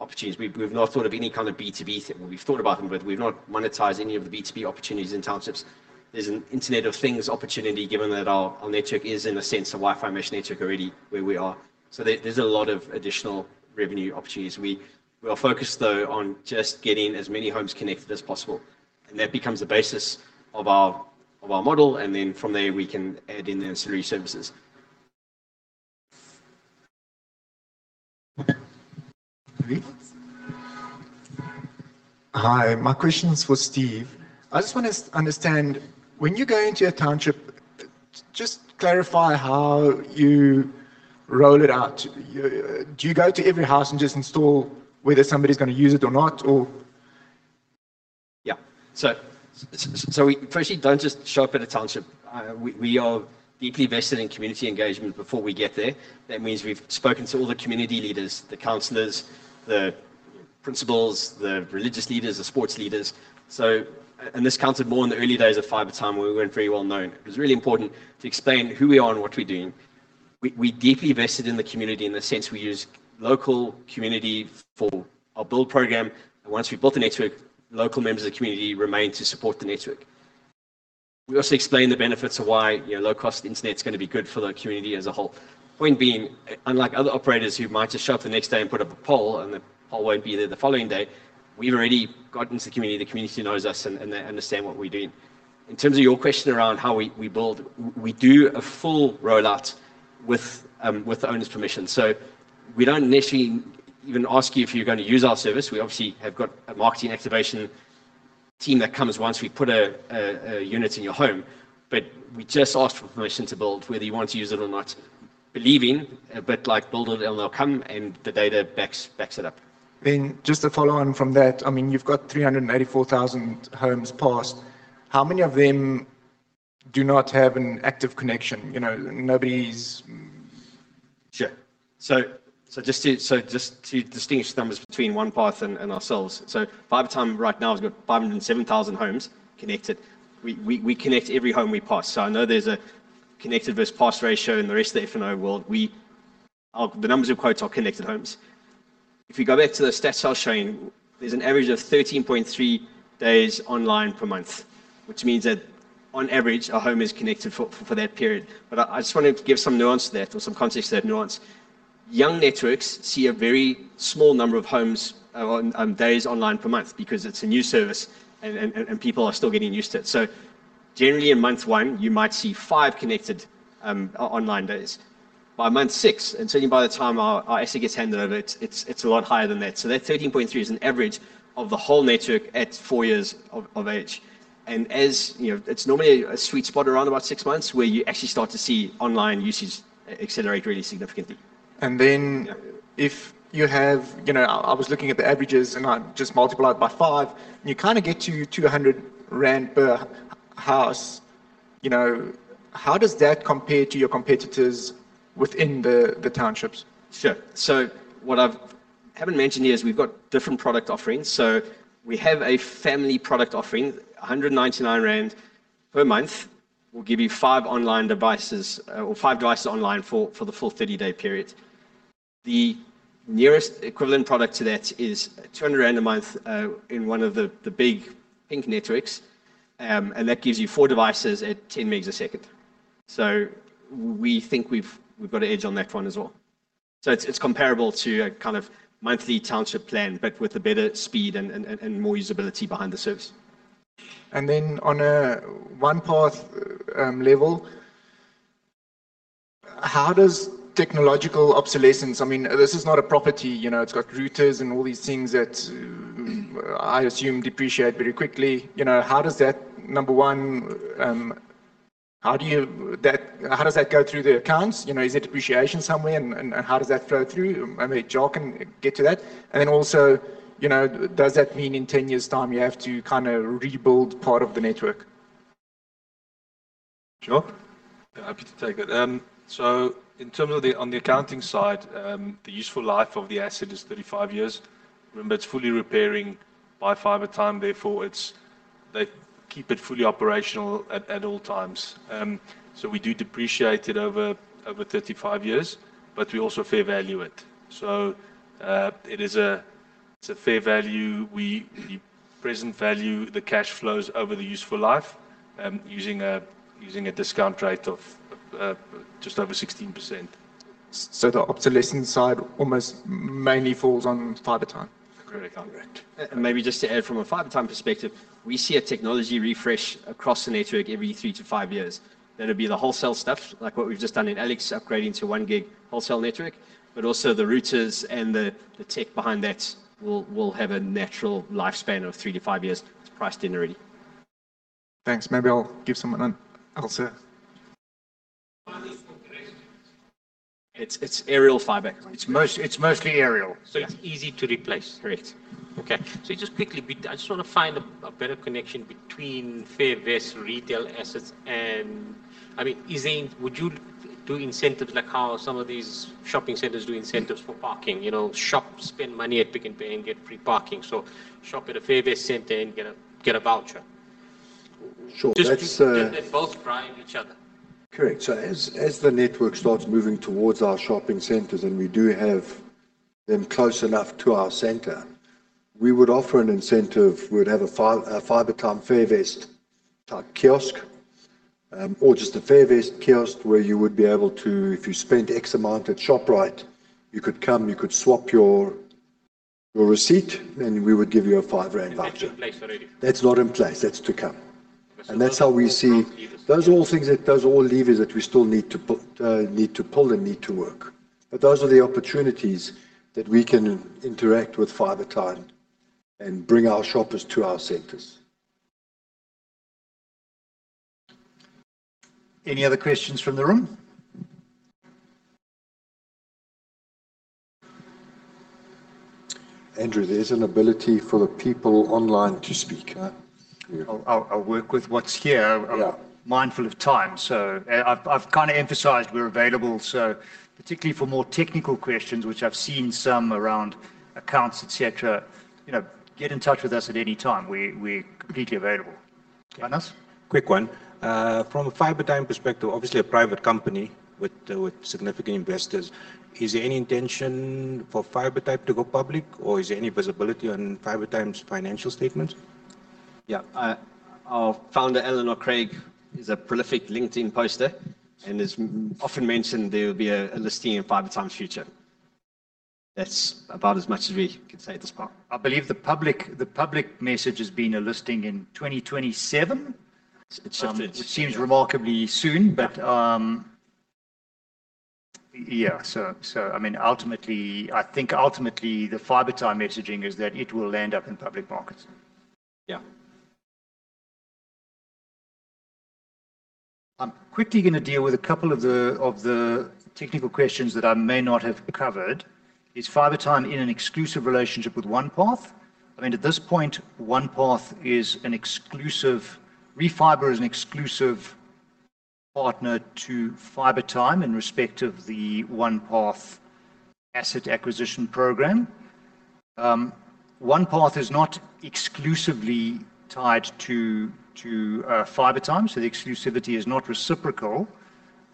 opportunities. We've not thought of any kind of B2B thing. We've thought about them, but we've not monetized any of the B2B opportunities in townships. There's an Internet of Things opportunity, given that our network is in a sense a Wi-Fi mesh network already where we are. There's a lot of additional revenue opportunities. We are focused, though, on just getting as many homes connected as possible, and that becomes the basis of our model, and then from there, we can add in the ancillary services. Hi. My question's for Steve. I just want to understand, when you go into a township, just clarify how you roll it out. Do you go to every house and just install whether somebody's going to use it or not, or? We firstly don't just show up at a township. We are deeply vested in community engagement before we get there. That means we've spoken to all the community leaders, the counselors, the principals, the religious leaders, the sports leaders. This counted more in the early days of Fibertime, where we weren't very well known. It was really important to explain who we are and what we're doing. We're deeply vested in the community in the sense we use local community for our build program, and once we've built a network, local members of the community remain to support the network. We also explain the benefits of why low-cost internet's going to be good for the community as a whole. Point being, unlike other operators who might just show up the next day and put up a pole, and the pole won't be there the following day, we've already got into the community. The community knows us and they understand what we're doing. In terms of your question around how we build, we do a full rollout with the owner's permission. We don't necessarily even ask you if you're going to use our service. We obviously have got a marketing activation team that comes once we put a unit in your home. We just ask for permission to build, whether you want to use it or not, believing a bit like build it and they'll come, and the data backs it up. Just to follow on from that, you have 384,000 homes passed. How many of them do not have an active connection? Sure. Just to distinguish the numbers between OnePath and ourselves, Fibertime right now has got 507,000 homes connected. We connect every home we pass. I know there is a connected versus passed ratio in the rest of the FNO world. The numbers we quote are connected homes. If we go back to the stats I was showing, there is an average of 13.3 days online per month, which means that on average, a home is connected for that period. I just wanted to give some nuance to that or some context to that nuance. Young networks see a very small number of homes on days online per month because it is a new service and people are still getting used to it. Generally in month one, you might see five connected online days. By month six, and certainly by the time our asset gets handed over, it is a lot higher than that. That 13.3 is an average of the whole network at four years of age. As you know, it is normally a sweet spot around about six months where you actually start to see online usage accelerate really significantly. If you have, I was looking at the averages, and I just multiply it by five, and you kind of get to 200 rand per house. How does that compare to your competitors within the townships? What I haven't mentioned here is we've got different product offerings. We have a family product offering, 199 rand per month will give you five online devices, or five devices online for the full 30-day period. The nearest equivalent product to that is 200 rand a month in one of the big pink networks, and that gives you four devices at 10 Mbps. We think we've got an edge on that one as well. It's comparable to a kind of monthly township plan, but with a better speed and more usability behind the service. On a OnePath level, how does technological obsolescence, this is not a property. It's got routers and all these things that I assume depreciate very quickly. How does that, number one, how does that go through the accounts? Is it depreciation somewhere, and how does that flow through? Maybe Jason can get to that. Also, does that mean in 10 years' time, you have to kind of rebuild part of the network? Happy to take that. Internally on the accounting side, the useful life of the asset is 35 years. Remember, it's fully repairing by Fibertime, therefore they keep it fully operational at all times. We do depreciate it over 35 years, but we also fair value it. It's a fair value. We present value the cash flows over the useful life using a discount rate of just over 16%. The obsolescence side almost mainly falls on Fibertime. Correct. Maybe just to add from a Fibertime perspective, we see a technology refresh across the network every three to five years. That'll be the wholesale stuff like what we've just done in Alex, upgrading to one gig wholesale network, but also the routers and the tech behind that will have a natural lifespan of three to five years. It's priced in already. Thanks. Maybe I'll give someone else. It's aerial fiber. It's mostly aerial. it's easy to replace. Okay. Just quickly, I just want to find a better connection between Fairvest retail assets and, would you do incentives like how some of these shopping centers do incentives for parking? Shop, spend money at Pick n Pay, and get free parking. Shop at a Fairvest center and get a voucher. Sure. Just because they both drive each other. Correct. As the network starts moving towards our shopping centers, and we do have them close enough to our center, we would offer an incentive. We'd have a Fibertime Fairvest type kiosk, or just a Fairvest kiosk where you would be able to, if you spent X amount at Shoprite, you could come, you could swap your receipt, and we would give you a 5 rand voucher. That's in place already. That's not in place. That's to come. It's not levers. Those are all levers that we still need to pull and need to work. Those are the opportunities that we can interact with Fibertime and bring our shoppers to our centers. Any other questions from the room? Andrew, there's an ability for the people online to speak, huh? I'll work with what's here. Yeah. I'm mindful of time. I've kind of emphasized we're available, particularly for more technical questions, which I've seen some around accounts, et cetera, get in touch with us at any time. We're completely available. Jonas? Quick one. From a Fibertime perspective, obviously, a private company with significant investors, is there any intention for Fibertime to go public, or is there any visibility on Fibertime's financial statements? Yeah. Our founder, Alan Knott-Craig, is a prolific LinkedIn poster and has often mentioned there will be a listing in Fibertime's future. That's about as much as we can say at this point. I believe the public message has been a listing in 2027. That's it. It seems remarkably soon, but yeah. I think ultimately, the Fibertime messaging is that it will land up in public markets. Yeah. I'm quickly going to deal with a couple of the technical questions that I may not have covered. Is Fibertime in an exclusive relationship with OnePath? At this point, Refiber is an exclusive partner to Fibertime in respect of the OnePath asset acquisition program. OnePath is not exclusively tied to Fibertime, so the exclusivity is not reciprocal.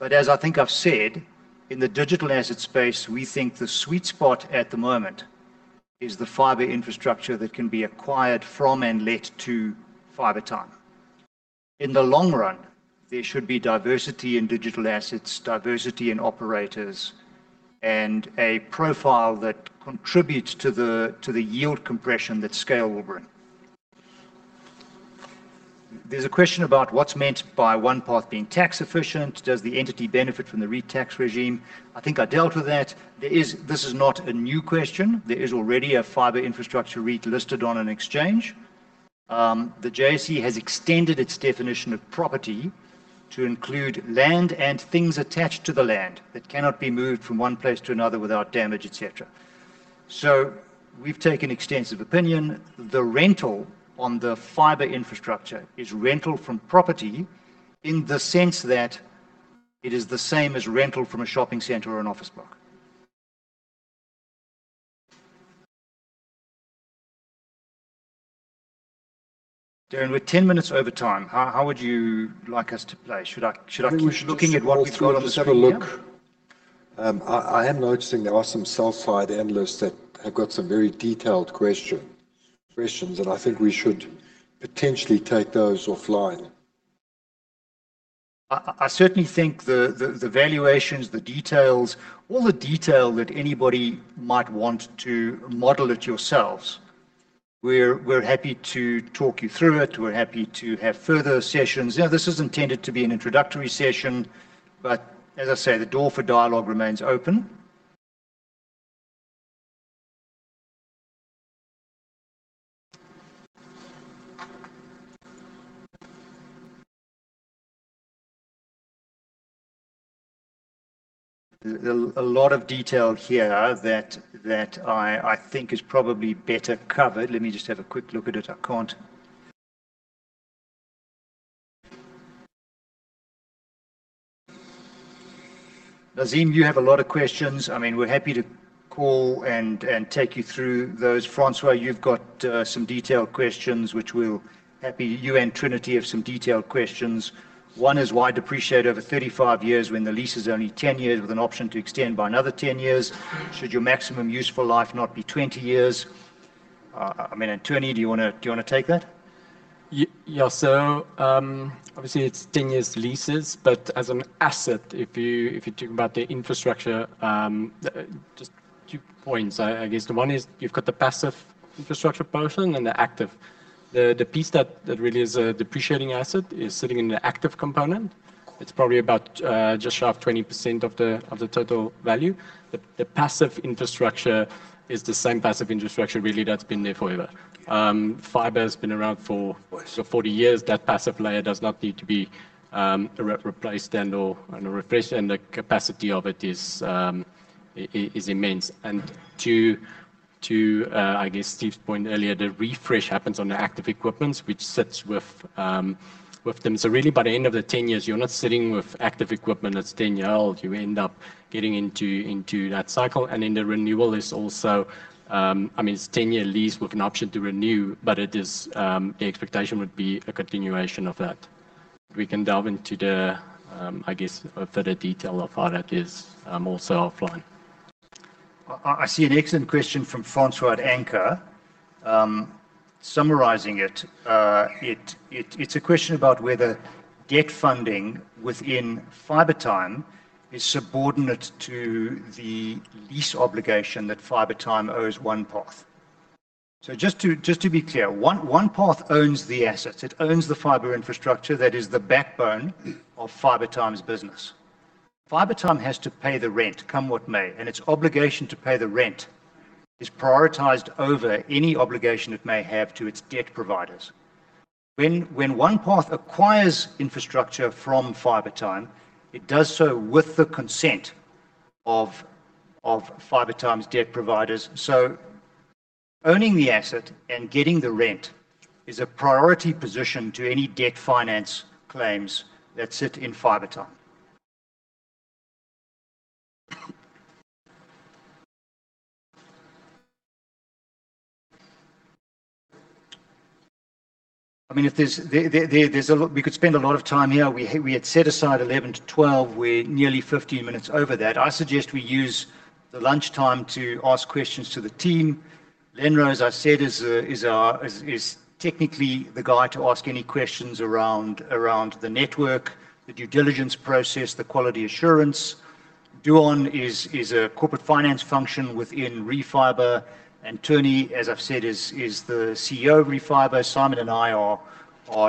As I think I've said, in the digital asset space, we think the sweet spot at the moment is the fiber infrastructure that can be acquired from and let to Fibertime. In the long run, there should be diversity in digital assets, diversity in operators, and a profile that contributes to the yield compression that scale will bring. There's a question about what's meant by OnePath being tax efficient. Does the entity benefit from the REIT tax regime? I think I dealt with that. This is not a new question. There is already a fiber infrastructure REIT listed on an exchange. The JSE has extended its definition of property to include land and things attached to the land that cannot be moved from one place to another without damage, et cetera. We've taken extensive opinion. The rental on the fiber infrastructure is rental from property in the sense that it is the same as rental from a shopping center or an office block. Darren, we're 10 minutes over time. How would you like us to play? Should I keep looking at what we've got on the screen here? I am noticing there are some sell-side analysts that have got some very detailed questions. I think we should potentially take those offline. I certainly think the valuations, the details, all the detail that anybody might want to model it yourselves, we're happy to talk you through it. We're happy to have further sessions. This is intended to be an introductory session, as I say, the door for dialogue remains open. There's a lot of detail here that I think is probably better covered. Let me just have a quick look at it. I can't. Nazim, you have a lot of questions. We're happy to call and take you through those. Francois, you've got some detailed questions, which we'll be happy to. You and Trinity have some detailed questions. One is, why depreciate over 35 years when the lease is only 10 years with an option to extend by another 10 years? Should your maximum useful life not be 20 years? Antony, do you want to take that? Obviously it's 10 years leases, as an asset, if you're talking about the infrastructure, just two points, I guess. The one is you've got the passive infrastructure portion and the active. The piece that really is a depreciating asset is sitting in the active component. It's probably about just short of 20% of the total value. The passive infrastructure is the same passive infrastructure, really, that's been there forever. Fiber's been around for 40 years. That passive layer does not need to be replaced and/or refreshed. The capacity of it is immense. To, I guess Steve's point earlier, the refresh happens on the active equipments, which sits with them. Really, by the end of the 10 years, you're not sitting with active equipment that's 10-year-old. You end up getting into that cycle. Then the renewal is also, it's 10-year lease with an option to renew, the expectation would be a continuation of that. We can delve into the, I guess, further detail of how that is, also offline. I see an excellent question from Francois at Anchor. Summarizing it's a question about whether debt funding within Fibertime is subordinate to the lease obligation that Fibertime owes OnePath. Just to be clear, OnePath owns the assets, it owns the fiber infrastructure that is the backbone of Fibertime's business. Fibertime has to pay the rent, come what may, and its obligation to pay the rent is prioritized over any obligation it may have to its debt providers. When OnePath acquires infrastructure from Fibertime, it does so with the consent of Fibertime's debt providers. Owning the asset and getting the rent is a priority position to any debt finance claims that sit in Fibertime. We could spend a lot of time here. We had set aside 11 to 12, we're nearly 15 minutes over that. I suggest we use the lunchtime to ask questions to the team. Lenro, as I said, is technically the guy to ask any questions around the network, the due diligence process, the quality assurance. Deon is a corporate finance function within Refiber, and Antony, as I've said, is the Chief Executive Officer of Refiber. Simon and I are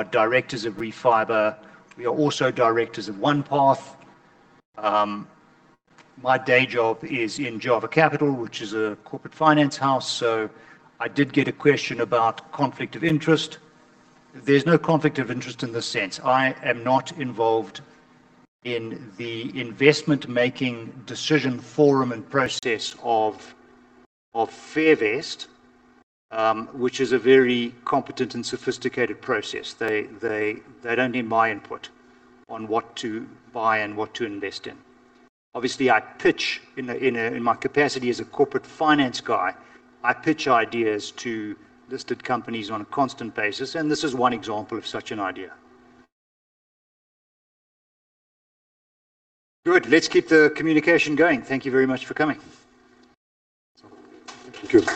Directors of Refiber. We are also Directors of OnePath. My day job is in Java Capital, which is a corporate finance house. I did get a question about conflict of interest. There's no conflict of interest in the sense I am not involved in the investment-making decision forum and process of Fairvest, which is a very competent and sophisticated process. They don't need my input on what to buy and what to invest in. Obviously, I pitch in my capacity as a corporate finance guy. I pitch ideas to listed companies on a constant basis, this is one example of such an idea. Good. Let's keep the communication going. Thank you very much for coming.